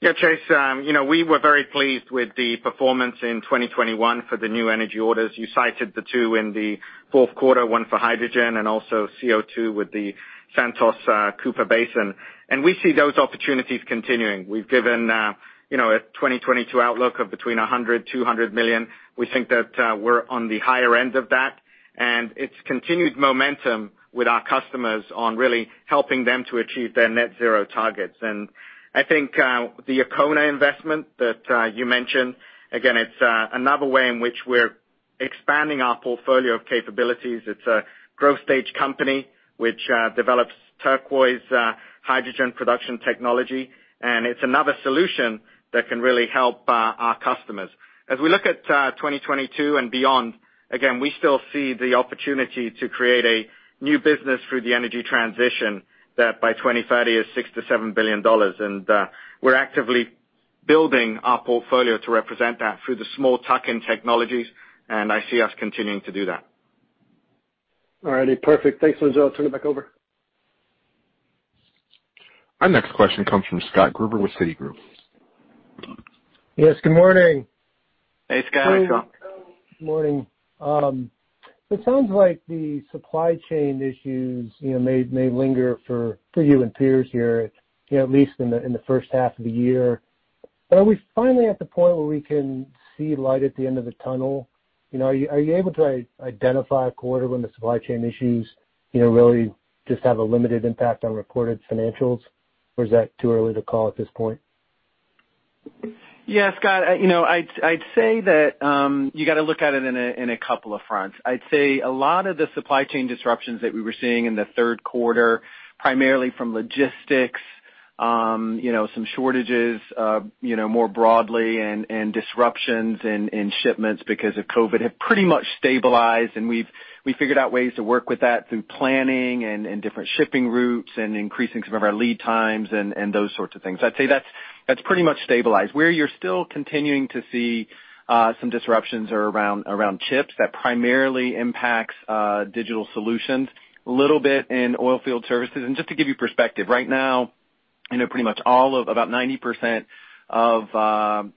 Yeah, Chase, you know, we were very pleased with the performance in 2021 for the new energy orders. You cited the two in the fourth quarter, one for hydrogen and also CO2 with the Santos, Cooper Basin. We see those opportunities continuing. We've given, you know, a 2022 outlook of $100-$200 million. We think that, we're on the higher end of that, and it's continued momentum with our customers on really helping them to achieve their net zero targets. I think, the Ekona investment that, you mentioned, again, it's, another way in which we're expanding our portfolio of capabilities. It's a growth stage company which, develops turquoise hydrogen production technology, and it's another solution that can really help our customers. As we look at 2022 and beyond, again, we still see the opportunity to create a new business through the energy transition that by 2030 is $6 billion-$7 billion. We're actively building our portfolio to represent that through the small tuck-in technologies, and I see us continuing to do that. All righty. Perfect. Thanks, Lorenzo. I'll turn it back over. Our next question comes from Scott Gruber with Citigroup. Yes, good morning. Hey, Scott. Hi, Scott. Good morning. It sounds like the supply chain issues, you know, may linger for you and peers here, you know, at least in the first half of the year. Are we finally at the point where we can see light at the end of the tunnel? You know, are you able to identify a quarter when the supply chain issues, you know, really just have a limited impact on reported financials, or is that too early to call at this point? Yeah, Scott, you know, I'd say that you gotta look at it in a couple of fronts. I'd say a lot of the supply chain disruptions that we were seeing in the third quarter, primarily from logistics, you know, some shortages, you know, more broadly and disruptions in shipments because of COVID have pretty much stabilized, and we've figured out ways to work with that through planning and different shipping routes and increasing some of our lead times and those sorts of things. I'd say that's pretty much stabilized. Where you're still continuing to see some disruptions are around chips that primarily impacts digital solutions, a little bit in oilfield services. Just to give you perspective, right now, you know, pretty much all of, about 90% of,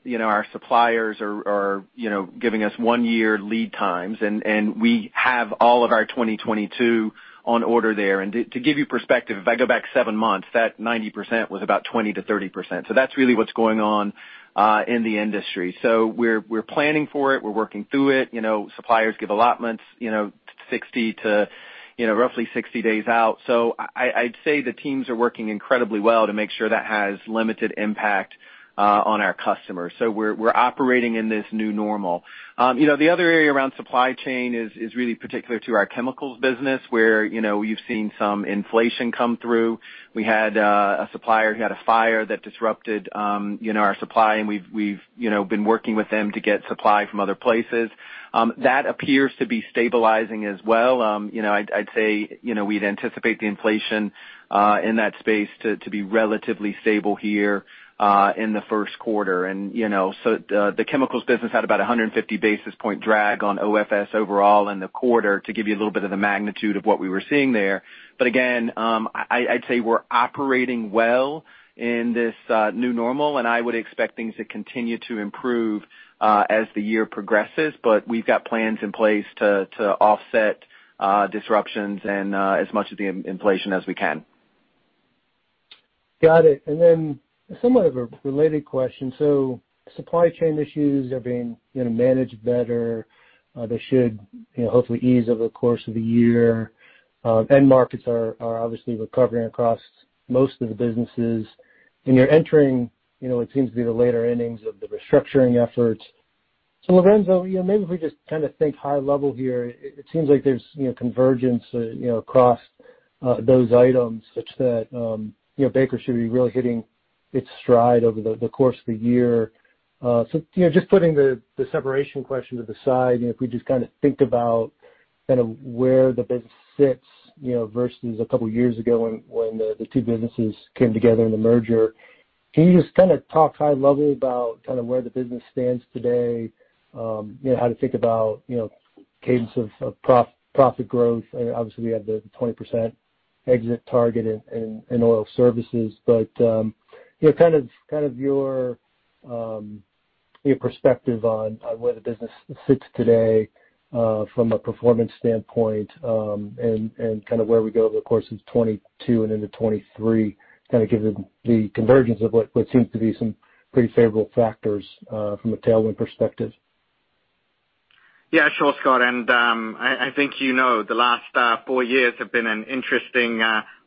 you know, our suppliers are, you know, giving us 1-year lead times and we have all of our 2022 on order there. To give you perspective, if I go back 7 months, that 90% was about 20%-30%. That's really what's going on in the industry. We're planning for it. We're working through it. You know, suppliers give allotments, you know, T-60 to, you know, roughly 60 days out. I'd say the teams are working incredibly well to make sure that has limited impact on our customers. We're operating in this new normal. You know, the other area around supply chain is really particular to our chemicals business, where, you know, we've seen some inflation come through. We had a supplier who had a fire that disrupted you know, our supply and we've been working with them to get supply from other places. That appears to be stabilizing as well. You know, I'd say, you know, we'd anticipate the inflation in that space to be relatively stable here in the first quarter. You know, the chemicals business had about 150 basis point drag on OFS overall in the quarter, to give you a little bit of the magnitude of what we were seeing there. Again, I'd say we're operating well in this new normal, and I would expect things to continue to improve as the year progresses. We've got plans in place to offset disruptions and as much of the inflation as we can. Got it. Then somewhat of a related question. Supply chain issues are being, you know, managed better. They should, you know, hopefully ease over the course of the year. End markets are obviously recovering across most of the businesses. You're entering, you know, what seems to be the later innings of the restructuring efforts. Lorenzo, you know, maybe if we just kind of think high level here, it seems like there's, you know, convergence, you know, across those items such that, you know, Baker should be really hitting its stride over the course of the year. You know, just putting the separation question to the side, you know, if we just kind of think about kind of where the business sits, you know, versus a couple years ago when the two businesses came together in the merger, can you just kind of talk high level about kind of where the business stands today? You know, how to think about, you know, cadence of profit growth? Obviously we have the 20% exit target in oil services. You know, kind of your perspective on where the business sits today from a performance standpoint, and kind of where we go over the course of 2022 and into 2023, kind of given the convergence of what seems to be some pretty favorable factors from a tailwind perspective. Yeah, sure, Scott. I think you know the last four years have been an interesting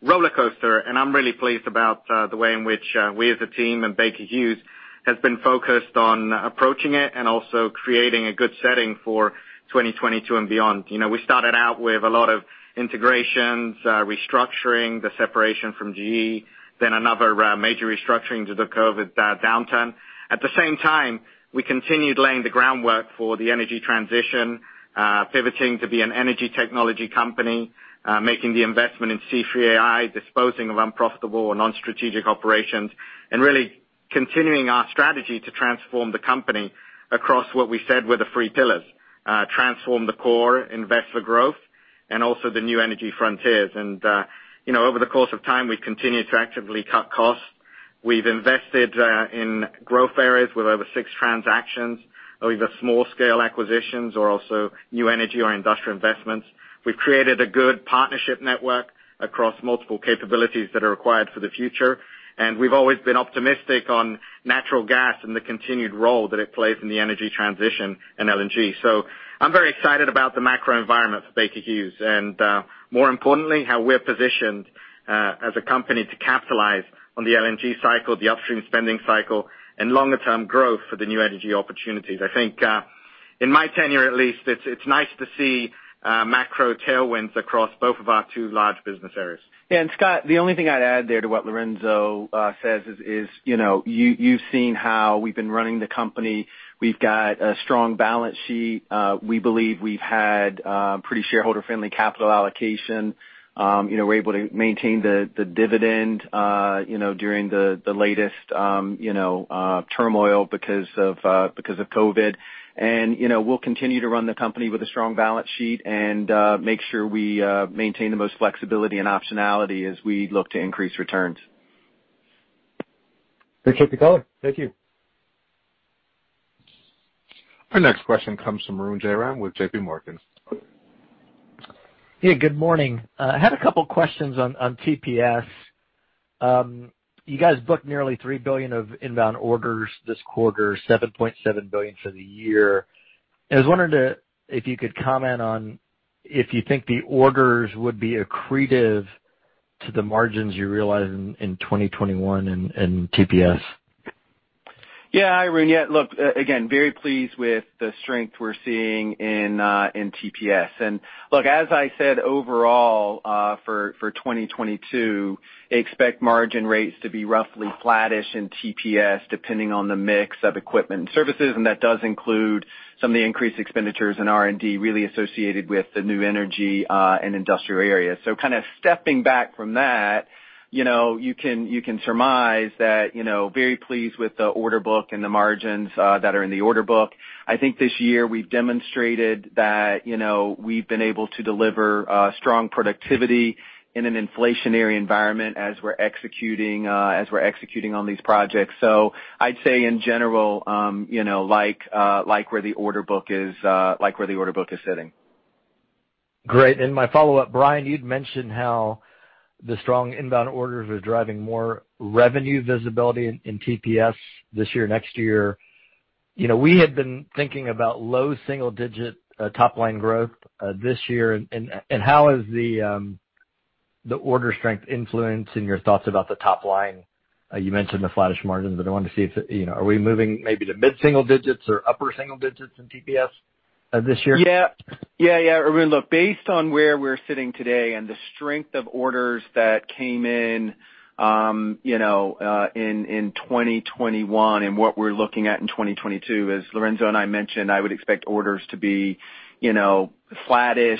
rollercoaster, and I'm really pleased about the way in which we as a team and Baker Hughes We have been focused on approaching it and also creating a good setting for 2022 and beyond. You know, we started out with a lot of integrations, restructuring, the separation from GE, then another major restructuring due to COVID downturn. At the same time, we continued laying the groundwork for the energy transition, pivoting to be an energy technology company, making the investment in C3.ai, disposing of unprofitable or non-strategic operations, and really continuing our strategy to transform the company across what we said were the three pillars, transform the core, invest for growth, and also the new energy frontiers. You know, over the course of time, we've continued to actively cut costs. We've invested in growth areas with over six transactions, either small-scale acquisitions or also new energy or industrial investments. We've created a good partnership network across multiple capabilities that are required for the future. We've always been optimistic on natural gas and the continued role that it plays in the energy transition and LNG. I'm very excited about the macro environment for Baker Hughes, and, more importantly, how we're positioned, as a company to capitalize on the LNG cycle, the upstream spending cycle, and longer term growth for the new energy opportunities. I think, in my tenure at least, it's nice to see, macro tailwinds across both of our two large business areas. Scott, the only thing I'd add there to what Lorenzo says is, you know, you've seen how we've been running the company. We've got a strong balance sheet. We believe we've had pretty shareholder-friendly capital allocation. You know, we're able to maintain the dividend, you know, during the latest turmoil because of COVID. You know, we'll continue to run the company with a strong balance sheet and make sure we maintain the most flexibility and optionality as we look to increase returns. Great. Thank you for calling. Thank you. Our next question comes from Arun Jayaram with JPMorgan. Yeah, good morning. I had a couple questions on TPS. You guys booked nearly $3 billion of inbound orders this quarter, $7.7 billion for the year. I was wondering if you could comment on if you think the orders would be accretive to the margins you realize in 2021 in TPS. Yeah, hi, Arun. Yeah, look, again, very pleased with the strength we're seeing in TPS. Look, as I said overall, for 2022, expect margin rates to be roughly flattish in TPS depending on the mix of equipment and services, and that does include some of the increased expenditures in R&D, really associated with the new energy and industrial areas. Kind of stepping back from that, you know, you can surmise that, you know, very pleased with the order book and the margins that are in the order book. I think this year we've demonstrated that, you know, we've been able to deliver strong productivity in an inflationary environment as we're executing on these projects. I'd say in general, you know, like where the order book is sitting. Great. In my follow-up, Brian, you'd mentioned how the strong inbound orders are driving more revenue visibility in TPS this year, next year. You know, we had been thinking about low single-digit top line growth this year. How is the order strength influencing your thoughts about the top line? You mentioned the flattish margins, but I wanted to see if, you know, are we moving maybe to mid-single digits or upper single digits in TPS this year? Yeah, Arun, look, based on where we're sitting today and the strength of orders that came in, you know, in 2021 and what we're looking at in 2022, as Lorenzo and I mentioned, I would expect orders to be, you know, flattish,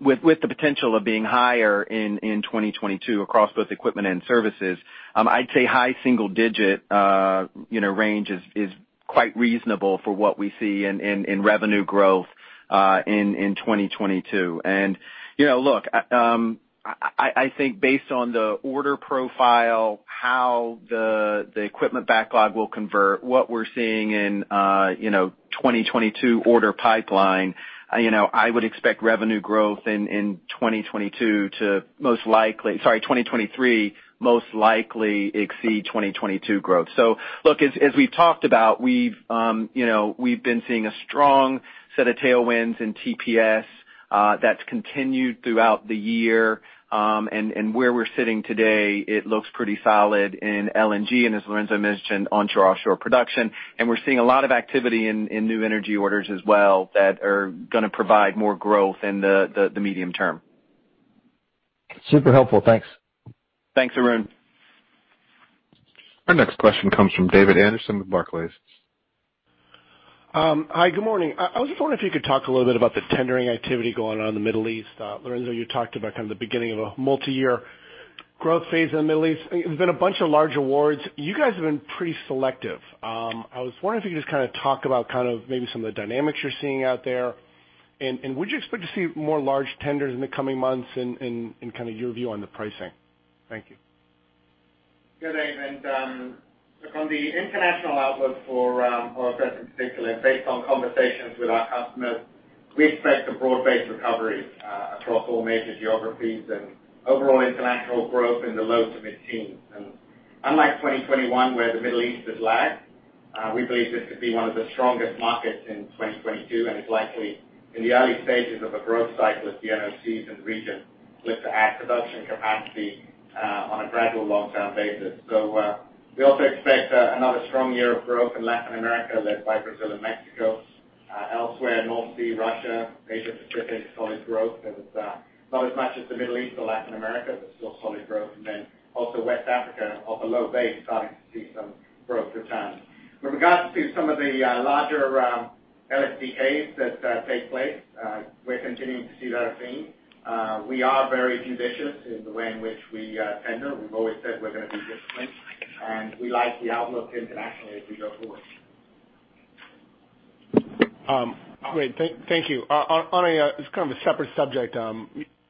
with the potential of being higher in 2022 across both equipment and services. I'd say high single-digit range is quite reasonable for what we see in revenue growth in 2022. You know, look, I think based on the order profile, how the equipment backlog will convert, what we're seeing in 2022 order pipeline, you know, I would expect revenue growth in 2023 to most likely exceed 2022 growth. Look, as we've talked about, we've been seeing a strong set of tailwinds in TPS, that's continued throughout the year. And where we're sitting today, it looks pretty solid in LNG, and as Lorenzo mentioned, onshore/offshore production. We're seeing a lot of activity in new energy orders as well that are gonna provide more growth in the medium term. Super helpful. Thanks. Thanks, Arun. Our next question comes from David Anderson with Barclays. Hi, good morning. I was just wondering if you could talk a little bit about the tendering activity going on in the Middle East. Lorenzo, you talked about kind of the beginning of a multi-year growth phase in the Middle East. There's been a bunch of large awards. You guys have been pretty selective. I was wondering if you could just kinda talk about kind of maybe some of the dynamics you're seeing out there. And your view on the pricing? Thank you. Yeah, Dave, look, on the international outlook for our business in particular, based on conversations with our customers, we expect a broad-based recovery across all major geographies and overall international growth in the low- to mid-teens%. Unlike 2021, where the Middle East was lagging, we believe this could be one of the strongest markets in 2022, and it's likely in the early stages of a growth cycle as the NOCs in the region look to add production capacity on a gradual long-term basis. We also expect another strong year of growth in Latin America, led by Brazil and Mexico. Elsewhere, North Sea, Russia, Asia Pacific, solid growth. There was not as much as the Middle East or Latin America, but still solid growth. West Africa, off a low base, starting to see some growth return. With regards to some of the larger LSTK cases that take place, we're continuing to see that theme. We are very judicious in the way in which we tender. We've always said we're gonna be disciplined, and we like the outlook internationally as we go forward. Great. Thank you. On a, it's kind of a separate subject.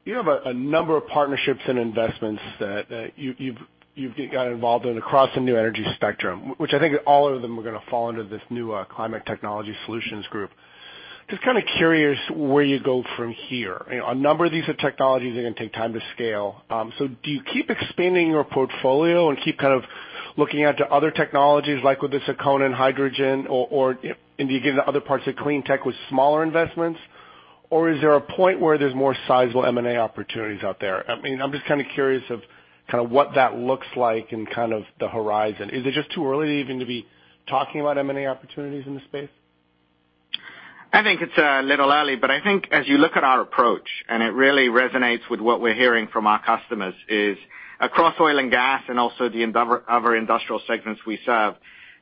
You have a number of partnerships and investments that you've got involved in across the new energy spectrum, which I think all of them are gonna fall under this new Climate Technology Solutions group. Just kind of curious where you go from here. You know, a number of these are technologies that are gonna take time to scale. So do you keep expanding your portfolio and keep kind of looking out to other technologies like with this Ekona and hydrogen or, and do you get into other parts of clean tech with smaller investments? Or is there a point where there's more sizable M&A opportunities out there? I mean, I'm just kind of curious of kind of what that looks like in kind of the horizon. Is it just too early even to be talking about M&A opportunities in this space? I think it's a little early, but I think as you look at our approach, and it really resonates with what we're hearing from our customers, is across oil and gas and also the other industrial segments we serve,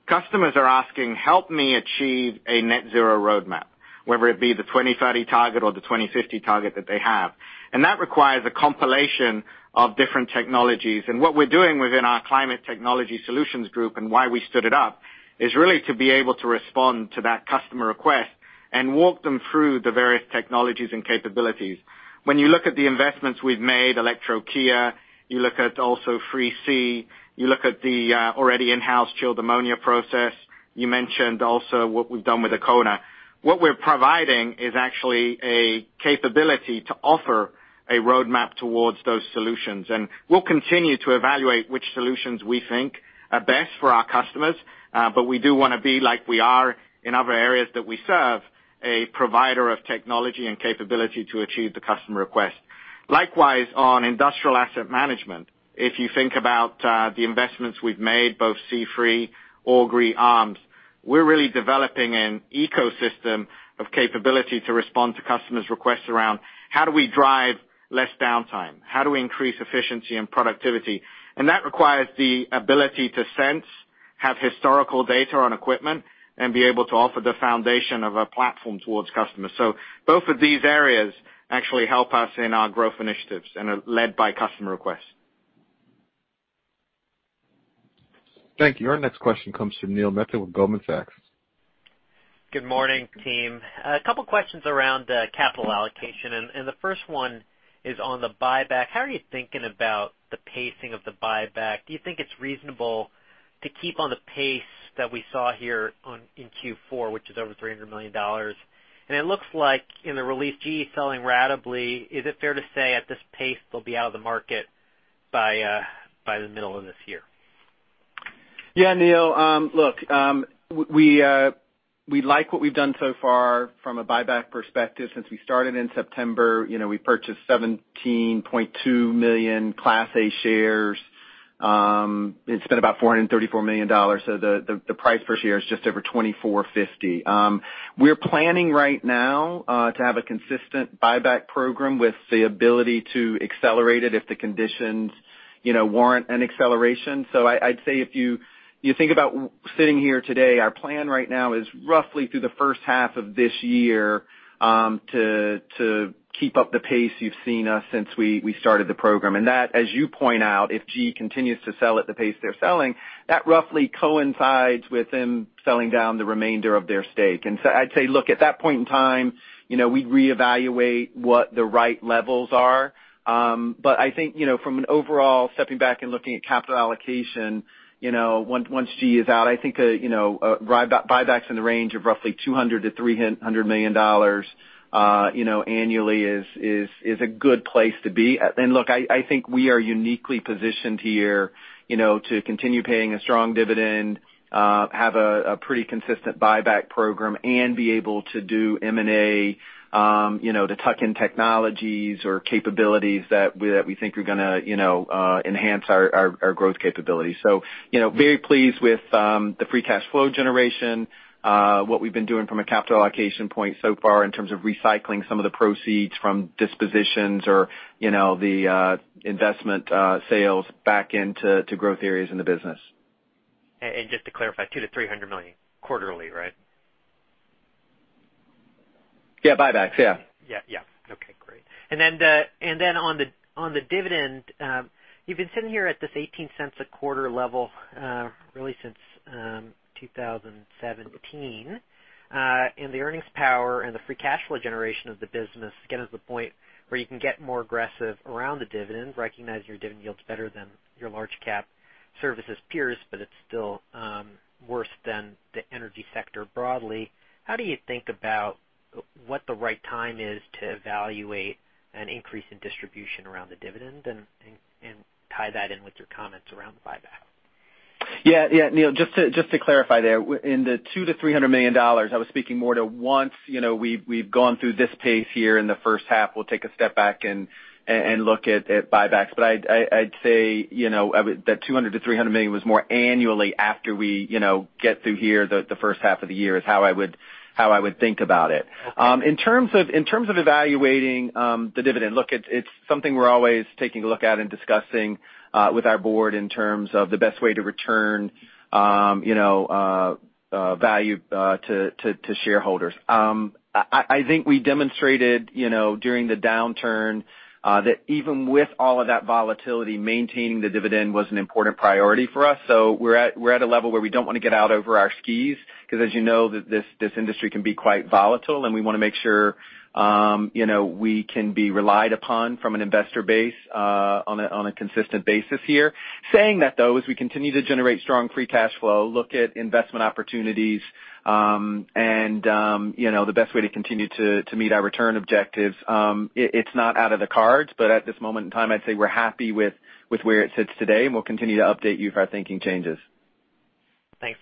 customers are asking, "Help me achieve a net zero roadmap," whether it be the 2030 target or the 2050 target that they have. That requires a compilation of different technologies. What we're doing within our Climate Technology Solutions group and why we stood it up is really to be able to respond to that customer request and walk them through the various technologies and capabilities. When you look at the investments we've made, Electrochaea, you look at also C3, you look at the already in-house chilled ammonia process, you mentioned also what we've done with Ekona. What we're providing is actually a capability to offer a roadmap towards those solutions, and we'll continue to evaluate which solutions we think are best for our customers, but we do wanna be like we are in other areas that we serve, a provider of technology and capability to achieve the customer request. Likewise, on Industrial Asset Management, if you think about the investments we've made, both C3 and ARMS, we're really developing an ecosystem of capability to respond to customers' requests around how do we drive less downtime? How do we increase efficiency and productivity? And that requires the ability to sense, have historical data on equipment, and be able to offer the foundation of a platform towards customers. Both of these areas actually help us in our growth initiatives and are led by customer requests. Thank you. Our next question comes from Neil Mehta with Goldman Sachs. Good morning, team. A couple questions around capital allocation, and the first one is on the buyback. How are you thinking about the pacing of the buyback? Do you think it's reasonable to keep on the pace that we saw here in Q4, which is over $300 million? It looks like in the release, GE selling ratably, is it fair to say at this pace they'll be out of the market by the middle of this year? Yeah, Neil. Look, we like what we've done so far from a buyback perspective. Since we started in September, you know, we purchased 17.2 million Class A shares. It's been about $434 million, so the price per share is just over $24.50. We're planning right now to have a consistent buyback program with the ability to accelerate it if the conditions, you know, warrant an acceleration. I'd say if you think about sitting here today, our plan right now is roughly through the first half of this year to keep up the pace you've seen us since we started the program. That, as you point out, if GE continues to sell at the pace they're selling, that roughly coincides with them selling down the remainder of their stake. I'd say, look, at that point in time, you know, we'd reevaluate what the right levels are. I think, you know, from an overall stepping back and looking at capital allocation, you know, once GE is out, I think, you know, buybacks in the range of roughly $200 million-$300 million annually is a good place to be. Look, I think we are uniquely positioned here, you know, to continue paying a strong dividend, have a pretty consistent buyback program and be able to do M&A, you know, to tuck in technologies or capabilities that we think are gonna, you know, enhance our growth capabilities. You know, very pleased with the free cash flow generation, what we've been doing from a capital allocation point so far in terms of recycling some of the proceeds from dispositions or, you know, the investment sales back into growth areas in the business. Just to clarify, $200 million-$300 million quarterly, right? Yeah, buybacks, yeah. Yeah, yeah. Okay, great. On the dividend, you've been sitting here at this $0.18 a quarter level, really since 2017. The earnings power and the free cash flow generation of the business, again, is the point where you can get more aggressive around the dividend, recognizing your dividend yield's better than your large cap services peers, but it's still worse than the energy sector broadly. How do you think about what the right time is to evaluate an increase in distribution around the dividend and tie that in with your comments around the buyback? Yeah, yeah, Neil, just to clarify there. In the $200 million-$300 million, I was speaking more to once, you know, we've gone through this pace here in the first half, we'll take a step back and look at buybacks. I'd say, you know, I would. That $200 million-$300 million was more annually after we, you know, get through here, the first half of the year is how I would think about it. In terms of evaluating the dividend, look, it's something we're always taking a look at and discussing with our board in terms of the best way to return, you know, value to shareholders. I think we demonstrated, you know, during the downturn, that even with all of that volatility, maintaining the dividend was an important priority for us. We're at a level where we don't wanna get out over our skis 'cause as you know, this industry can be quite volatile, and we wanna make sure, you know, we can be relied upon from an investor base, on a consistent basis here. Saying that, though, as we continue to generate strong free cash flow, look at investment opportunities, and you know, the best way to continue to meet our return objectives, it's not out of the cards, but at this moment in time, I'd say we're happy with where it sits today, and we'll continue to update you if our thinking changes. Thanks,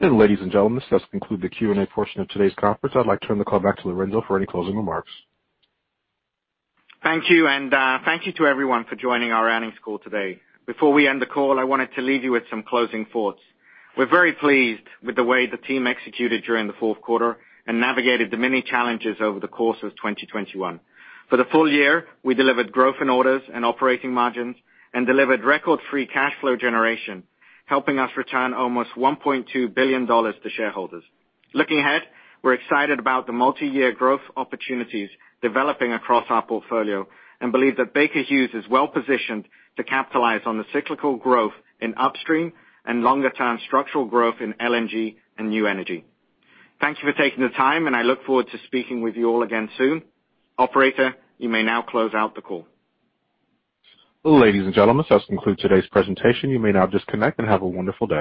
team. Ladies and gentlemen, this does conclude the Q&A portion of today's conference. I'd like to turn the call back to Lorenzo for any closing remarks. Thank you, and thank you to everyone for joining our earnings call today. Before we end the call, I wanted to leave you with some closing thoughts. We're very pleased with the way the team executed during the fourth quarter and navigated the many challenges over the course of 2021. For the full year, we delivered growth in orders and operating margins and delivered record free cash flow generation, helping us return almost $1.2 billion to shareholders. Looking ahead, we're excited about the multi-year growth opportunities developing across our portfolio and believe that Baker Hughes is well-positioned to capitalize on the cyclical growth in upstream and longer-term structural growth in LNG and new energy. Thank you for taking the time, and I look forward to speaking with you all again soon. Operator, you may now close out the call. Ladies and gentlemen, this concludes today's presentation. You may now disconnect and have a wonderful day.